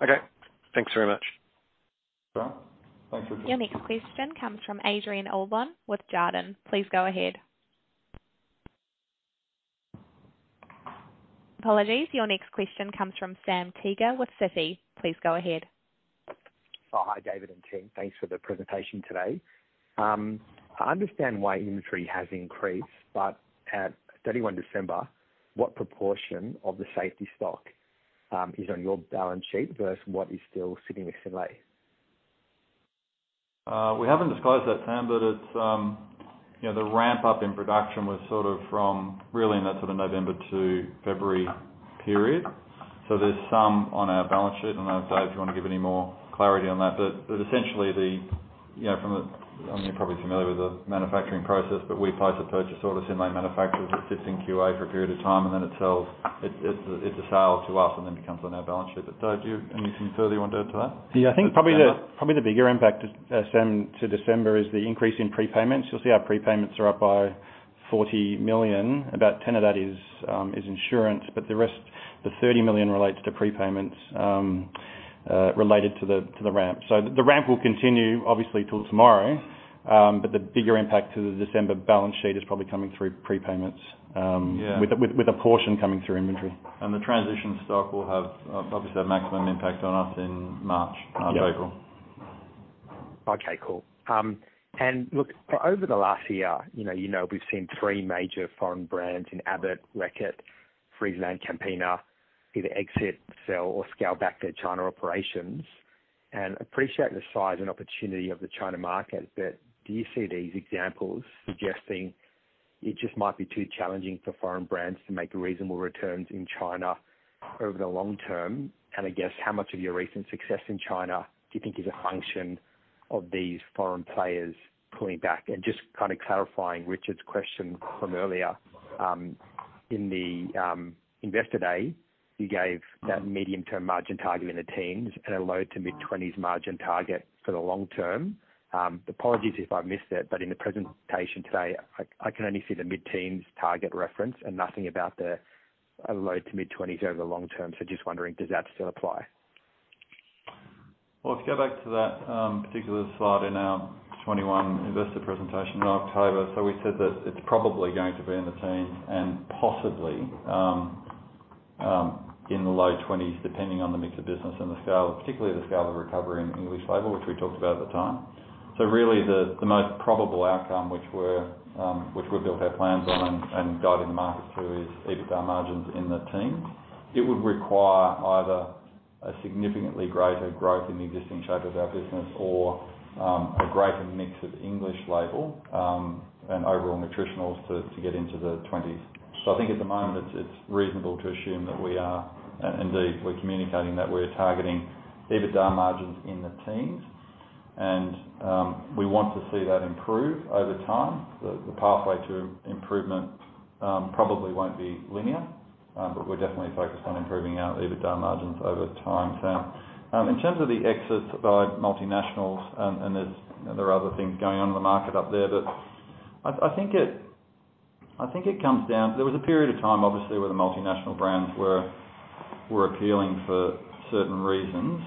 Okay. Thanks very much. No problem. Your next question comes from Adrian Allbon with Jarden. Please go ahead. Apologies, your next question comes from Sam Teeger with Citi. Please go ahead. Oh, hi, David and team. Thanks for the presentation today. I understand why inventory has increased, but at 31 December, what proportion of the safety stock is on your balance sheet versus what is still sitting with Synlait? We haven't disclosed that, Sam, but it's, you know, the ramp up in production was sort of from really in that sort of November to February period. There's some on our balance sheet. I don't know if, Dave, you wanna give any more clarity on that, but essentially the, you know, I mean, you're probably familiar with the manufacturing process, but we place a purchase order, Synlait manufactures, it sits in QA for a period of time, and then it sells. It's a sale to us and then becomes on our balance sheet. Dave, do you have anything further you want to add to that? Yeah, I think probably the bigger impact to Sam, to December, is the increase in prepayments. You'll see our prepayments are up by 40 million. About 10 million of that is insurance, but the rest, 30 million, relates to prepayments related to the ramp. The ramp will continue obviously till tomorrow, but the bigger impact to the December balance sheet is probably coming through prepayments. Yeah. With a portion coming through inventory. The transition stock will have obviously a maximum impact on us in March, April. Yeah. Okay, cool. Over the last year, you know we've seen three major foreign brands in Abbott, Reckitt, FrieslandCampina either exit, sell, or scale back their China operations. Appreciate the size and opportunity of the China market, but do you see these examples suggesting it just might be too challenging for foreign brands to make reasonable returns in China over the long term? I guess how much of your recent success in China do you think is a function of these foreign players pulling back? Just kind of clarifying Richard's question from earlier, in the Investor Day, you gave that medium-term margin target in the teens and a low to mid-twenties margin target for the long term. Apologies if I missed it, in the presentation today, I can only see the mid-teens target reference and nothing about the low to mid-20s over the long term. Just wondering, does that still apply? If you go back to that particular slide in our 2021 investor presentation in October, we said that it's probably going to be in the teens and possibly in the low twenties, depending on the mix of business and the scale, particularly the scale of recovery in English label, which we talked about at the time. Really the most probable outcome, which we've built our plans on and guided the market to is EBITDA margins in the teens. It would require either a significantly greater growth in the existing shape of our business or a greater mix of English label and overall nutritionals to get into the twenties. I think at the moment it's reasonable to assume that we are, and indeed we're communicating that we're targeting EBITDA margins in the teens. We want to see that improve over time. The pathway to improvement probably won't be linear, but we're definitely focused on improving our EBITDA margins over time, Sam. In terms of the exits by multinationals and there's, you know, there are other things going on in the market up there, but I think it comes down. There was a period of time obviously where the multinational brands were appealing for certain reasons.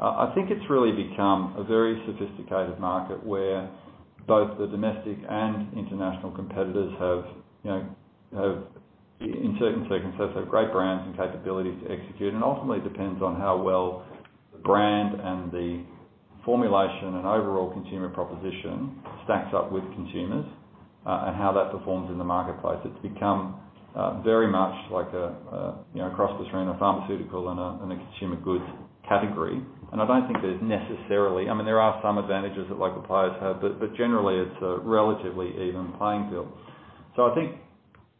I think it's really become a very sophisticated market where both the domestic and international competitors have, you know, in certain circumstances have great brands and capability to execute. Ultimately it depends on how well the brand and the formulation and overall consumer proposition stacks up with consumers and how that performs in the marketplace. It's become very much like a, you know, a cross between a pharmaceutical and a consumer goods category. I don't think there's necessarily. I mean, there are some advantages that local players have, but generally it's a relatively even playing field. I think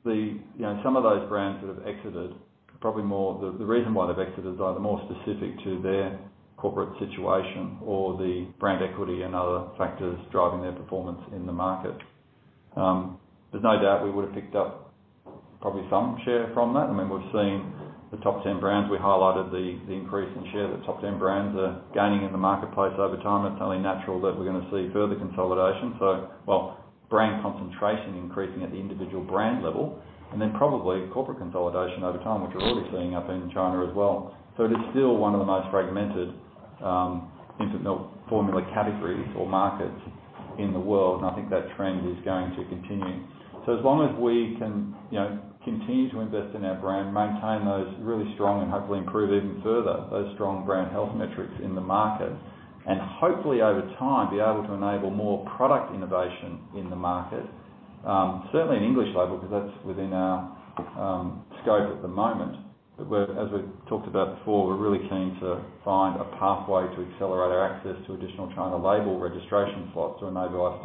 the, you know, some of those brands that have exited are probably more, the reason why they've exited is either more specific to their corporate situation or the brand equity and other factors driving their performance in the market. There's no doubt we would've picked up probably some share from that. I mean, we've seen the top 10 brands. We highlighted the increase in share that top 10 brands are gaining in the marketplace over time. It's only natural that we're gonna see further consolidation. Well, brand concentration increasing at the individual brand level, and then probably corporate consolidation over time, which we're already seeing up in China as well. It is still one of the most fragmented infant milk formula categories or markets in the world, and I think that trend is going to continue. As long as we can, you know, continue to invest in our brand, maintain those really strong and hopefully improve even further, those strong brand health metrics in the market, and hopefully over time, be able to enable more product innovation in the market, certainly in English Label, because that's within our scope at the moment. As we've talked about before, we're really keen to find a pathway to accelerate our access to additional China Label registration slots to enable us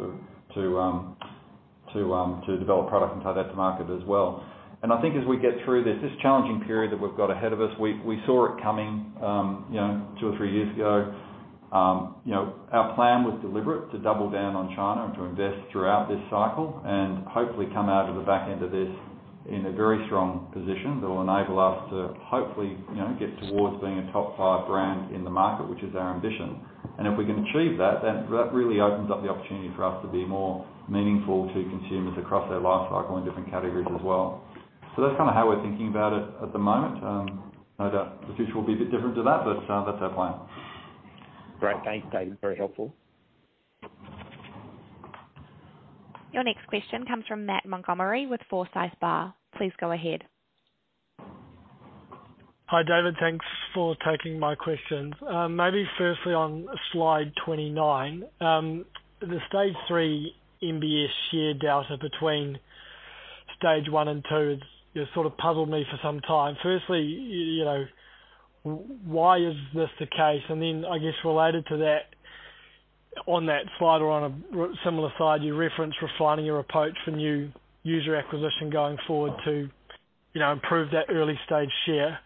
to develop product and take that to market as well. I think as we get through this challenging period that we've got ahead of us, we saw it coming, you know, two or three years ago. You know, our plan was deliberate to double down on China and to invest throughout this cycle and hopefully come out of the back end of this in a very strong position that will enable us to hopefully, you know, get towards being a top five brand in the market, which is our ambition. If we can achieve that, then that really opens up the opportunity for us to be more meaningful to consumers across their life cycle in different categories as well. That's kinda how we're thinking about it at the moment. No doubt the future will be a bit different to that, but that's our plan. Great. Thanks, David. Very helpful. Your next question comes from Matt Montgomerie with Forsyth Barr. Please go ahead. Hi, David. Thanks for taking my questions. maybe firstly on slide 29, the stage 3 MBS shared data between stage one and stage two, it's, you know, sort of puzzled me for some time. Firstly, you know, why is this the case? Then I guess related to that, on that slide or on a similar slide, you referenced refining your approach for new user acquisition going forward to, you know, improve that early stage share.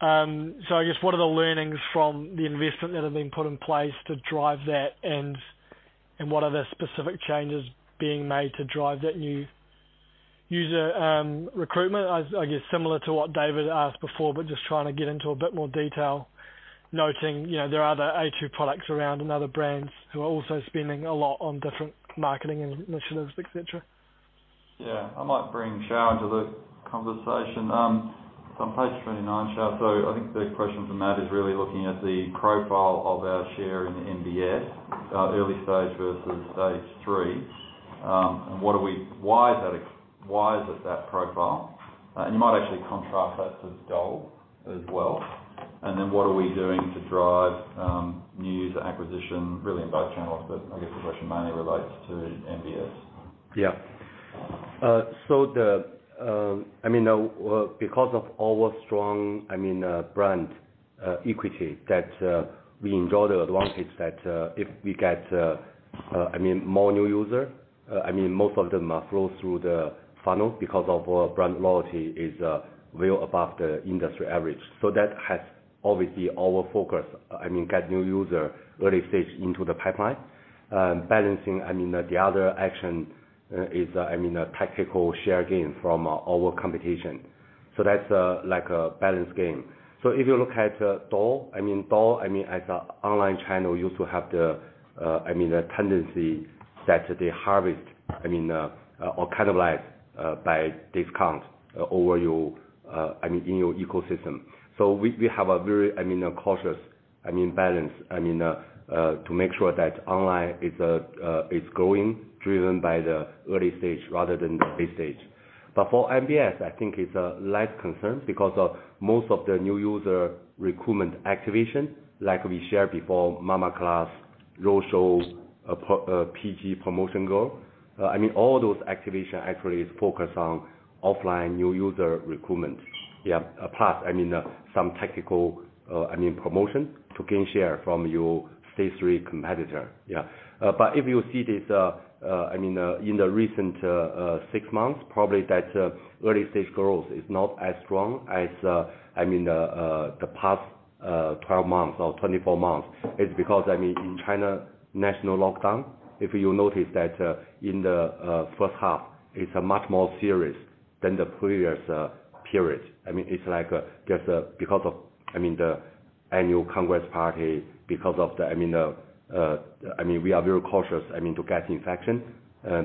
I guess, what are the learnings from the investment that have been put in place to drive that? What are the specific changes being made to drive that new user recruitment? I guess similar to what David asked before, but just trying to get into a bit more detail, noting, you know, there are other a2 products around and other brands who are also spending a lot on different marketing initiatives, etc.. Yeah. I might bring Xiao into the conversation. On page 29, Xiao, I think the question from Matt is really looking at the profile of our share in MBS, early stage versus stage three. Why is it that profile? You might actually contrast that to DOL as well. What are we doing to drive new user acquisition really in both channels, but I guess the question mainly relates to MBS. Yeah. The, I mean, because of our strong, I mean, brand equity that we enjoy the advantage that if we get, I mean, more new user, I mean, most of them are flow through the funnel because of our brand loyalty is well above the industry average. That has obviously our focus, I mean, get new user early stage into the pipeline. Balancing, I mean, the other action is, I mean, a tactical share gain from our competition. That's like a balanced game. If you look at Douyin, I mean, Douyin, I mean, as a online channel used to have the, I mean, the tendency that they harvest, I mean, or cannibalize by discounts over your, I mean, in your ecosystem. We have a very, I mean, a cautious, I mean, balance, I mean, to make sure that online is growing, driven by the early stage rather than the late stage. For MBS, I think it's a less concern because of most of the new user recruitment activation, like we shared before, Mama Class, Roadshow, PG promotion goal. I mean, all those activation actually is focused on offline new user recruitment. Plus, I mean, some tactical, I mean, promotion to gain share from your stage three competitor. If you see this, I mean, in the recent 6 months, probably that early stage growth is not as strong as, I mean, the past 12 months or 24 months. It's because, I mean, in China national lockdown, if you notice that, in the, first half, it's a much more serious than the previous, period. I mean, it's like, just, because of, I mean, the annual Congress Party, because of the, I mean, the, I mean, we are very cautious, I mean, to get infection,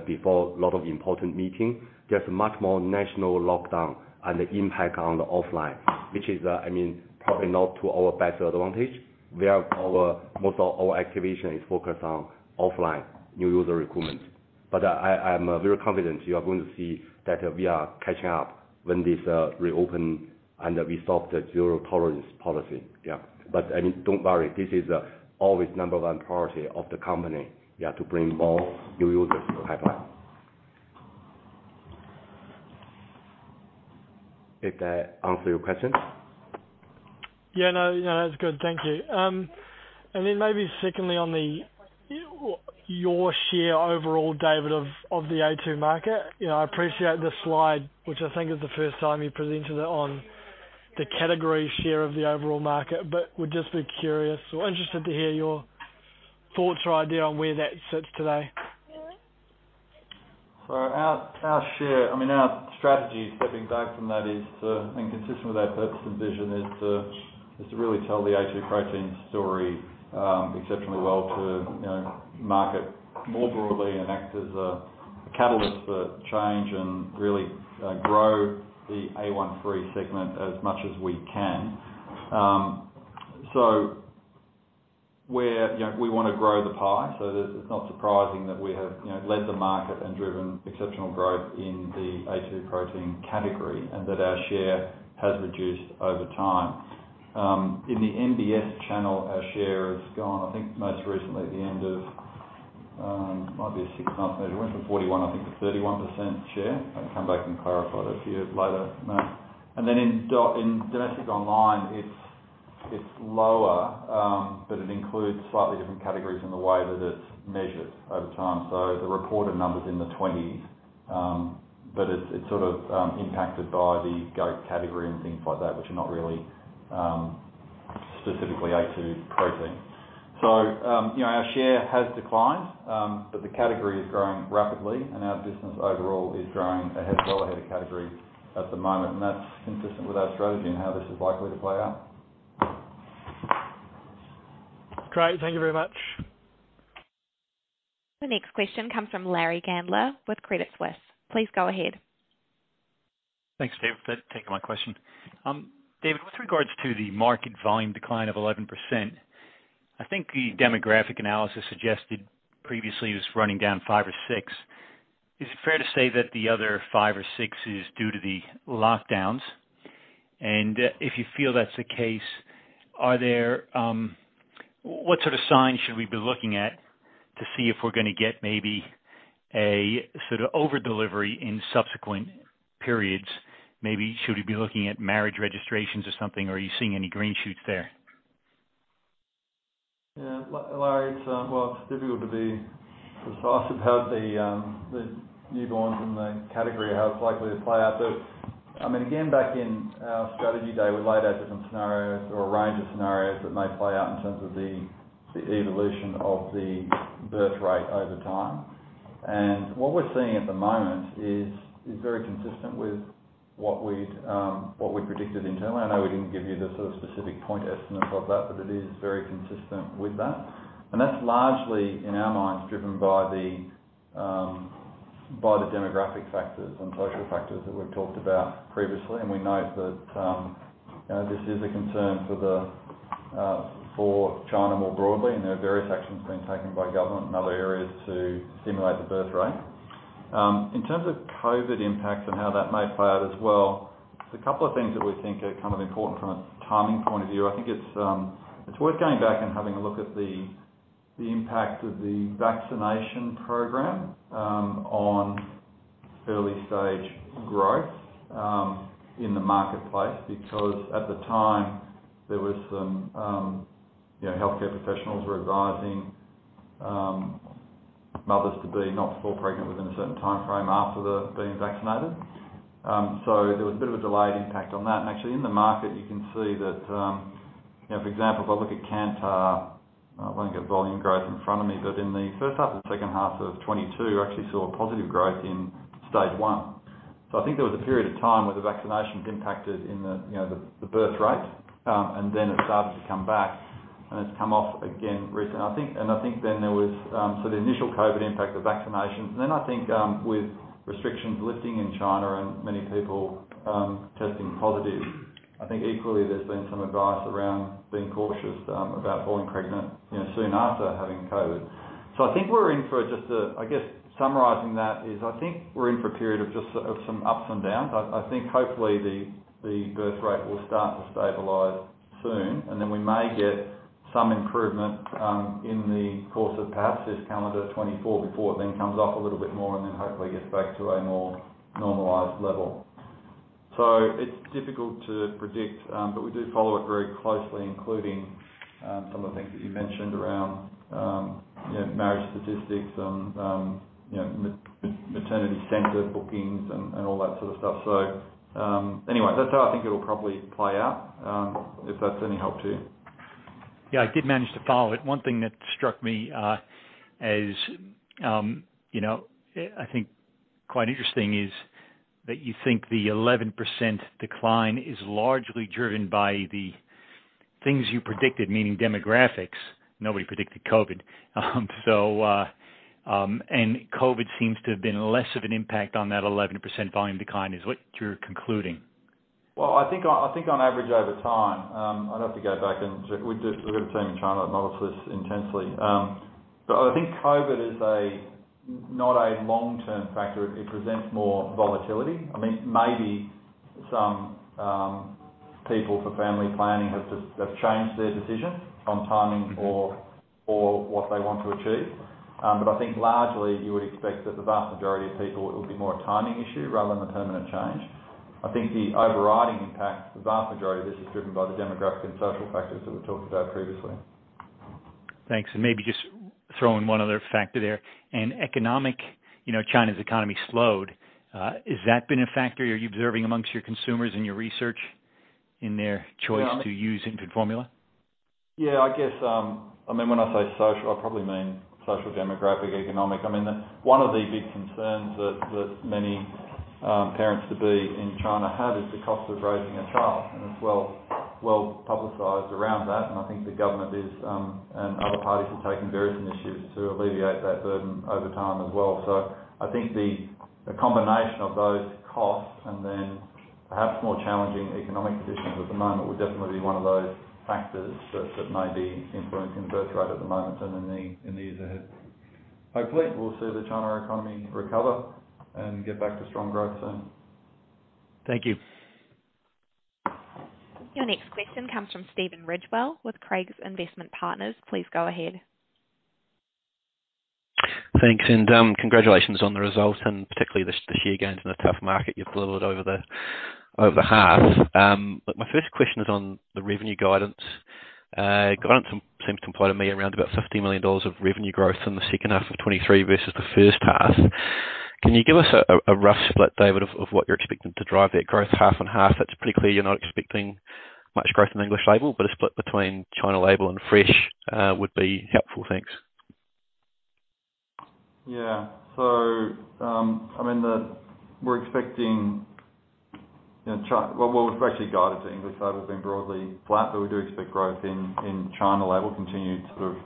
before a lot of important meeting. There's much more national lockdown and the impact on the offline, which is, I mean, probably not to our best advantage, where our, most of our activation is focused on offline new user recruitment. I'm very confident you are going to see that we are catching up when this, reopen and we stop the zero tolerance policy. Yeah. I mean, don't worry, this is always number one priority of the company, yeah, to bring more new users to the pipeline. Did that answer your question? Yeah, no, yeah, that's good. Thank you. Then maybe secondly, on the your share overall, David, of the A.2 market, you know, I appreciate the slide, which I think is the first time you presented it on the category share of the overall market, but would just be curious or interested to hear your thoughts or idea on where that sits today? Our, our share, I mean, our strategy stepping back from that is to, and consistent with our purpose and vision is to really tell the A2 protein story, exceptionally well to, you know, market more broadly and act as a catalyst for change and really grow the A1-free segment as much as we can. Where, you know, we want to grow the pie so that it's not surprising that we have, you know, led the market and driven exceptional growth in the A2 protein category, and that our share has reduced over time. In the MBS channel, our share has gone, I think most recently at the end of, might be a six-month measure, went from 41%, I think, to 31% share. I can come back and clarify those for you later. In domestic online it's lower, but it includes slightly different categories in the way that it's measured over time. The reported number's in the 20s, but it's sort of impacted by the goat category and things like that, which are not really specifically A2 protein. You know, our share has declined, but the category is growing rapidly and our business overall is growing ahead, well ahead of category at the moment, and that's consistent with our strategy and how this is likely to play out. Great. Thank you very much. The next question comes from Larry Gandler with Credit Suisse. Please go ahead. Thanks, Dave, for taking my question. David, with regards to the market volume decline of 11%, I think the demographic analysis suggested previously it was running down five or six. Is it fair to say that the other five or six is due to the lockdowns? If you feel that's the case, what sort of signs should we be looking at to see if we're gonna get maybe a sort of over delivery in subsequent periods? Maybe should we be looking at marriage registrations or something? Are you seeing any green shoots there? Larry, it's well, it's difficult to be precise about the newborns in the category, how it's likely to play out. I mean, again, back in our strategy day, we laid out different scenarios or a range of scenarios that may play out in terms of the evolution of the birth rate over time. What we're seeing at the moment is very consistent with what we'd predicted internally. I know we didn't give you the sort of specific point estimate of that, but it is very consistent with that. That's largely, in our minds, driven by the demographic factors and social factors that we've talked about previously. We note that, you know, this is a concern for China more broadly, and there are various actions being taken by government and other areas to stimulate the birth rate. In terms of COVID impacts and how that may play out as well, there's a couple of things that we think are kind of important from a timing point of view. I think it's worth going back and having a look at the impact of the vaccination program on early stage growth in the marketplace because at the time there was some, you know, healthcare professionals were advising mothers to be not fall pregnant within a certain timeframe after being vaccinated. So there was a bit of a delayed impact on that. Actually in the market you can see that, you know, for example, if I look at Kantar, I haven't got volume growth in front of me, but in the first half and second half of 2022 actually saw a positive growth in stage one. I think there was a period of time where the vaccination impacted in the, you know, the birth rate, and then it started to come back and it's come off again recent. I think, and I think then there was, so the initial COVID impact of vaccinations. Then I think, with restrictions lifting in China and many people testing positive, I think equally there's been some advice around being cautious about falling pregnant, you know, soon after having COVID. I think we're in for just a, I guess summarizing that is I think we're in for a period of some ups and downs. I think hopefully the birth rate will start to stabilize soon and then we may get some improvement in the course of perhaps this calendar of 2024 before it then comes off a little bit more and then hopefully gets back to a more normalized level. It's difficult to predict, but we do follow it very closely, including some of the things that you mentioned around, you know, marriage statistics and, you know, maternity center bookings and all that sort of stuff. Anyway, that's how I think it'll probably play out if that's any help to you. Yeah, I did manage to follow it. One thing that struck me, as, you know, I think quite interesting is that you think the 11% decline is largely driven by the things you predicted, meaning demographics. Nobody predicted COVID. COVID seems to have been less of an impact on that 11% volume decline. Is what you're concluding? Well, I think on average over time, I'd have to go back and we're gonna see in China model this intensely. I think COVID is a not a long-term factor. It presents more volatility. I mean, maybe some people for family planning have just changed their decision on timing or what they want to achieve. I think largely you would expect that the vast majority of people it would be more a timing issue rather than a permanent change. I think the overriding impact, the vast majority of this is driven by the demographic and social factors that we talked about previously. Thanks. Maybe just throw in one other factor there. Economic, you know, China's economy slowed. Is that been a factor you're observing amongst your consumers in your research in their choice to use infant formula? Yeah, I guess, I mean, when I say social, I probably mean social, demographic, economic. I mean, one of the big concerns that many parents to be in China have is the cost of raising a child. It's well-publicized around that. I think the government is and other parties are taking various initiatives to alleviate that burden over time as well. I think the combination of those costs and then perhaps more challenging economic conditions at the moment would definitely be one of those factors that may be influencing birth rate at the moment and in the years ahead. Hopefully we'll see the China economy recover and get back to strong growth soon. Thank you. Your next question comes from Stephen Ridgewell with Craigs Investment Partners. Please go ahead. Thanks, and congratulations on the results, and particularly the share gains in a tough market you've delivered over the half. My first question is on the revenue guidance. Guidance seems to imply to me around about 50 million dollars of revenue growth from the second half of 2023 versus the first half. Can you give us a rough split, David, of what you're expecting to drive that growth half and half? That's particularly you're not expecting much growth in English Label, but a split between China Label and Fresh would be helpful. Thanks. Yeah. I mean, we're expecting, you know, well, we've actually guided the English Label as being broadly flat, but we do expect growth in China Label continued sort of.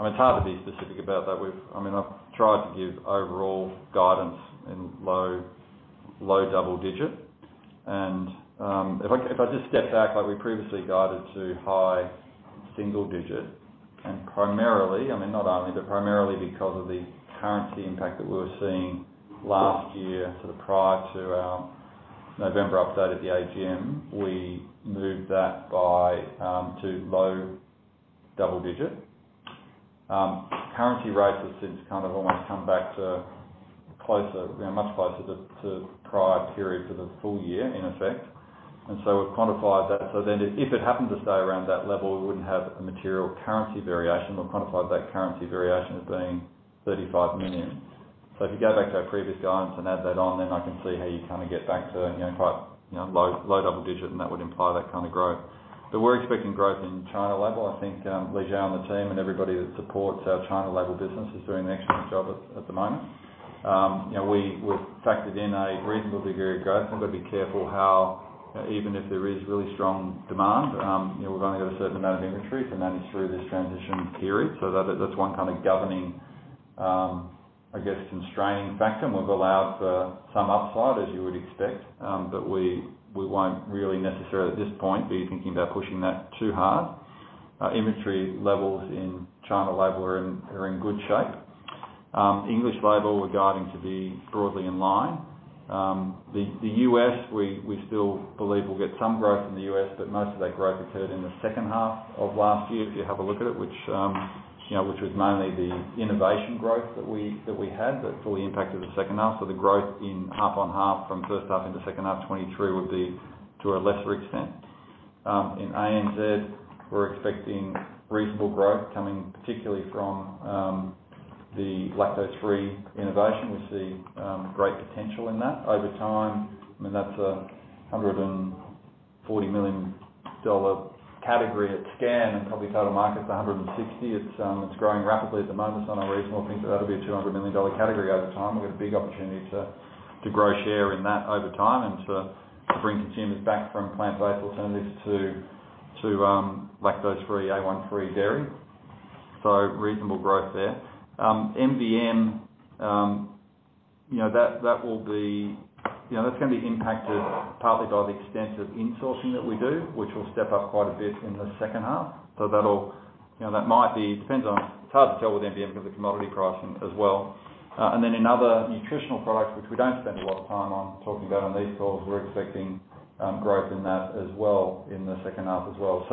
I mean, it's hard to be specific about that. I mean, I've tried to give overall guidance in low double digit. If I just step back, like we previously guided to high single digit, and primarily, I mean, not only, but primarily because of the currency impact that we were seeing last year, sort of prior to our November update at the AGM, we moved that by to low double digit. Currency rates have since kind of almost come back to closer, you know, much closer to prior period for the full year, in effect. We've quantified that. If it happened to stay around that level, we wouldn't have a material currency variation. We've quantified that currency variation as being 35 million. If you go back to our previous guidance and add that on, then I can see how you kind of get back to, you know, quite, you know, low, low double digit, and that would imply that kind of growth. We're expecting growth in China Label. I think, Li Xiao and the team and everybody that supports our China Label business is doing an excellent job at the moment. You know, we've factored in a reasonably good growth. We've got to be careful how, even if there is really strong demand, you know, we've only got a certain amount of inventory to manage through this transition period. That's one kind of governing, I guess, constraining factor, and we've allowed for some upside, as you would expect. We won't really necessarily at this point be thinking about pushing that too hard. Our inventory levels in China Label are in good shape. English Label, we're guiding to be broadly in line. The U.S., we still believe we'll get some growth in the U.S., but most of that growth occurred in the second half of last year, if you have a look at it, which, you know, which was mainly the innovation growth that we had that fully impacted the second half. The growth in half on half from first half into second half 2023 would be to a lesser extent. In ANZ, we're expecting reasonable growth coming particularly from the Lactose Free innovation. We see great potential in that over time, and that's a 140 million dollar category at scan and probably total market's 160 million. It's growing rapidly at the moment. It's unreasonable to think that that'll be a 200 million dollar category over time. We've got a big opportunity to grow share in that over time and to bring consumers back from plant-based alternatives to lactose free A1-free dairy. Reasonable growth there. MVM, you know, that's gonna be impacted partly by the extent of insourcing that we do, which will step up quite a bit in the second half. You know, that might be, depends on, it's hard to tell with MVM because of commodity pricing as well. In other nutritional products, which we don't spend a lot of time on talking about on these calls, we're expecting growth in that as well, in the second half as well.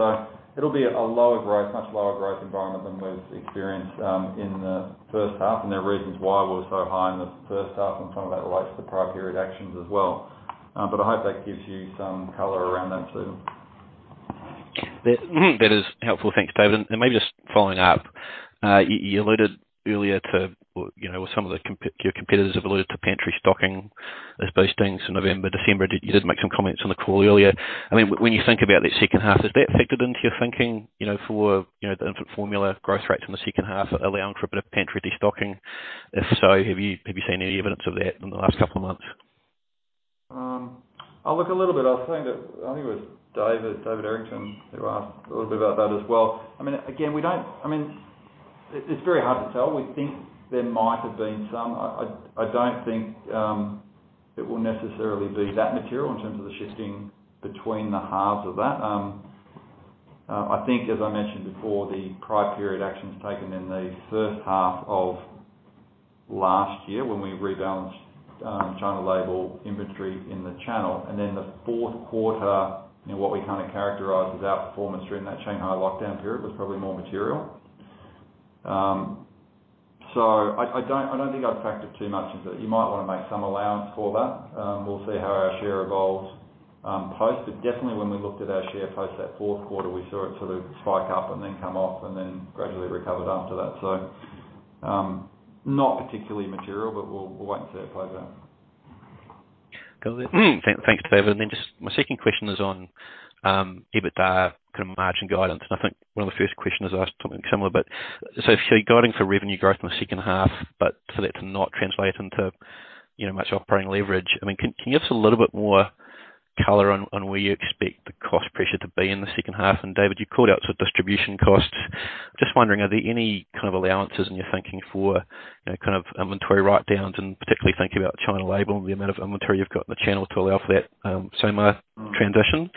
It'll be a lower growth, much lower growth environment than we've experienced in the first half, and there are reasons why we're so high in the first half, and some of that relates to the prior period actions as well. I hope that gives you some color around that too. That is helpful. Thanks, David. Maybe just following up, you alluded earlier to, you know, some of the Your competitors have alluded to pantry stocking as boosting some November, December. You did make some comments on the call earlier. I mean, when you think about that second half, has that factored into your thinking, you know, for, you know, the infant formula growth rates in the second half, allowing for a bit of pantry de-stocking? If so, have you seen any evidence of that in the last couple of months? Look, a little bit. I was saying that I think it was David Errington, who asked a little bit about that as well. I mean, again, we don't... I mean, it's very hard to tell. We think there might have been some. I don't think it will necessarily be that material in terms of the shifting between the halves of that. I think as I mentioned before, the prior period actions taken in the first half of last year when we rebalanced China Label inventory in the channel, and then the fourth quarter, you know, what we kind of characterize as outperformance during that Shanghai lockdown period was probably more material. So I don't think I'd factor too much into it. You might wanna make some allowance for that. We'll see how our share evolves, post. Definitely when we looked at our share post that fourth quarter, we saw it sort of spike up and then come off and then gradually recovered after that. Not particularly material, but we'll wait and see it play out. Got it. Thanks, David. Just my second question is on Adjusted EBITDA kind of margin guidance, and I think one of the first questions asked something similar. If you're guiding for revenue growth in the second half, but for that to not translate into, you know, much operating leverage, I mean, can you give us a little bit more color on where you expect the cost pressure to be in the second half? David, you called out sort of distribution costs. Just wondering, are there any kind of allowances in your thinking for, you know, kind of inventory write-downs and particularly thinking about China Label and the amount of inventory you've got in the channel to allow for that SAMR transition?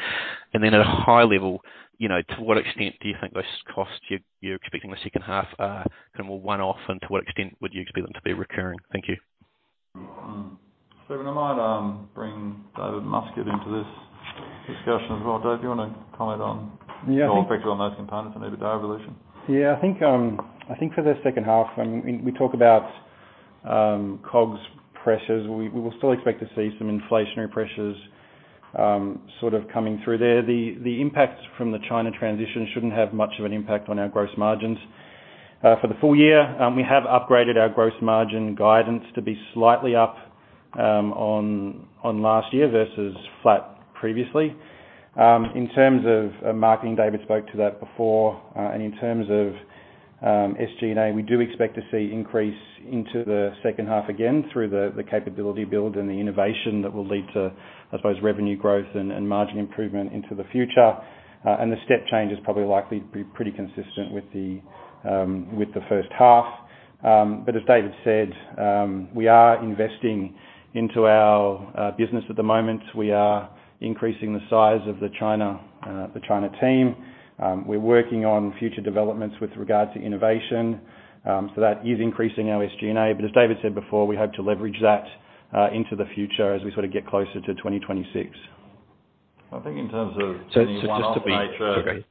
At a high level, you know, to what extent do you think those costs you're expecting the second half are kind of more one-off and to what extent would you expect them to be recurring? Thank you. Stephen, I might bring David Muscat into this discussion as well. Dave, do you wanna comment? Yeah. The effect on those components on EBITDA evolution? Yeah, I think, I think for the second half, we talk about COGS pressures. We will still expect to see some inflationary pressures sort of coming through there. The impacts from the China transition shouldn't have much of an impact on our gross margins. For the full year, we have upgraded our gross margin guidance to be slightly up on last year versus flat previously. In terms of marketing, David spoke to that before. In terms of SG&A, we do expect to see increase into the second half again through the capability build and the innovation that will lead to, I suppose, revenue growth and margin improvement into the future. The step change is probably likely be pretty consistent with the first half. As David said, we are investing into our business at the moment. We are increasing the size of the China team. We're working on future developments with regard to innovation. That is increasing our SG&A. As David said before, we hope to leverage that into the future as we sort of get closer to 2026. I think in terms of any one-off nature- Sorry.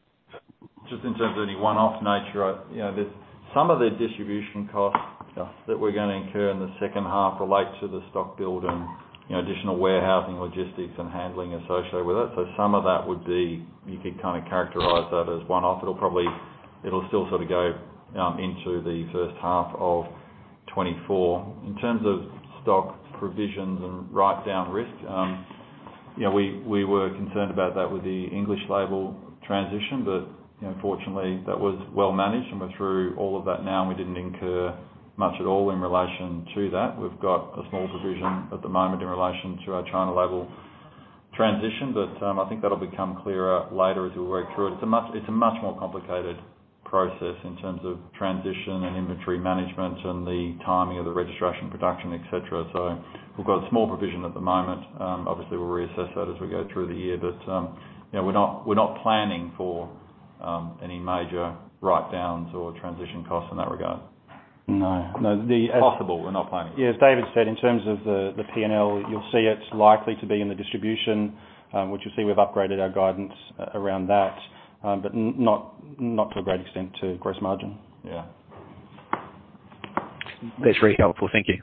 Just in terms of any one-off nature, you know, some of the distribution costs that we're gonna incur in the second half relate to the stock build and, you know, additional warehousing, logistics, and handling associated with it. Some of that would be, you could kind of characterize that as one-off. It'll probably still sort of go into the first half of 2024. In terms of stock provisions and write-down risk, you know, we were concerned about that with the English label transition, but, you know, fortunately, that was well managed and we're through all of that now, and we didn't incur much at all in relation to that. We've got a small provision at the moment in relation to our China label transition, but, I think that'll become clearer later as we work through it. It's a much more complicated process in terms of transition and inventory management and the timing of the registration production, etc.. We've got a small provision at the moment. Obviously, we'll reassess that as we go through the year, but, you know, we're not planning for any major write-downs or transition costs in that regard. No. No. Possible, we're not planning. Yeah, as David said, in terms of the P&L, you'll see it's likely to be in the distribution, which you'll see we've upgraded our guidance around that. Not to a great extent to gross margin. Yeah. That's very helpful. Thank you.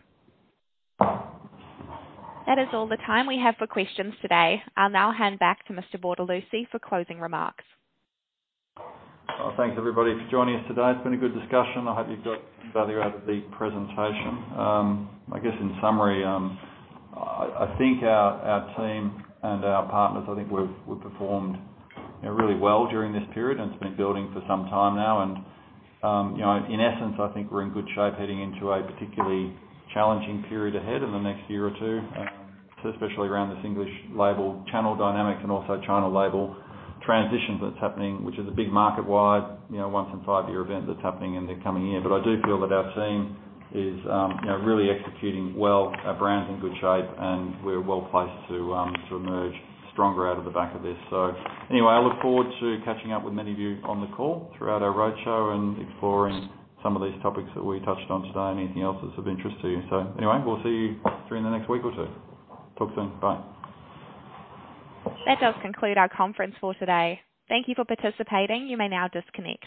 That is all the time we have for questions today. I'll now hand back to Mr. Bortolussi for closing remarks. Well, thanks everybody for joining us today. It's been a good discussion. I hope you got value out of the presentation. I guess in summary, I think our team and our partners, I think we've performed, you know, really well during this period, it's been building for some time now. You know, in essence, I think we're in good shape heading into a particularly challenging period ahead in the next year or two, especially around this English label channel dynamics and also China label transitions that's happening, which is a big market-wide, you know, once in five-year event that's happening in the coming year. I do feel that our team is, you know, really executing well, our brand's in good shape, and we're well placed to emerge stronger out of the back of this. Anyway, I look forward to catching up with many of you on the call throughout our roadshow and exploring some of these topics that we touched on today and anything else that's of interest to you. Anyway, we'll see you during the next week or two. Talk soon. Bye. That does conclude our conference for today. Thank you for participating. You may now disconnect.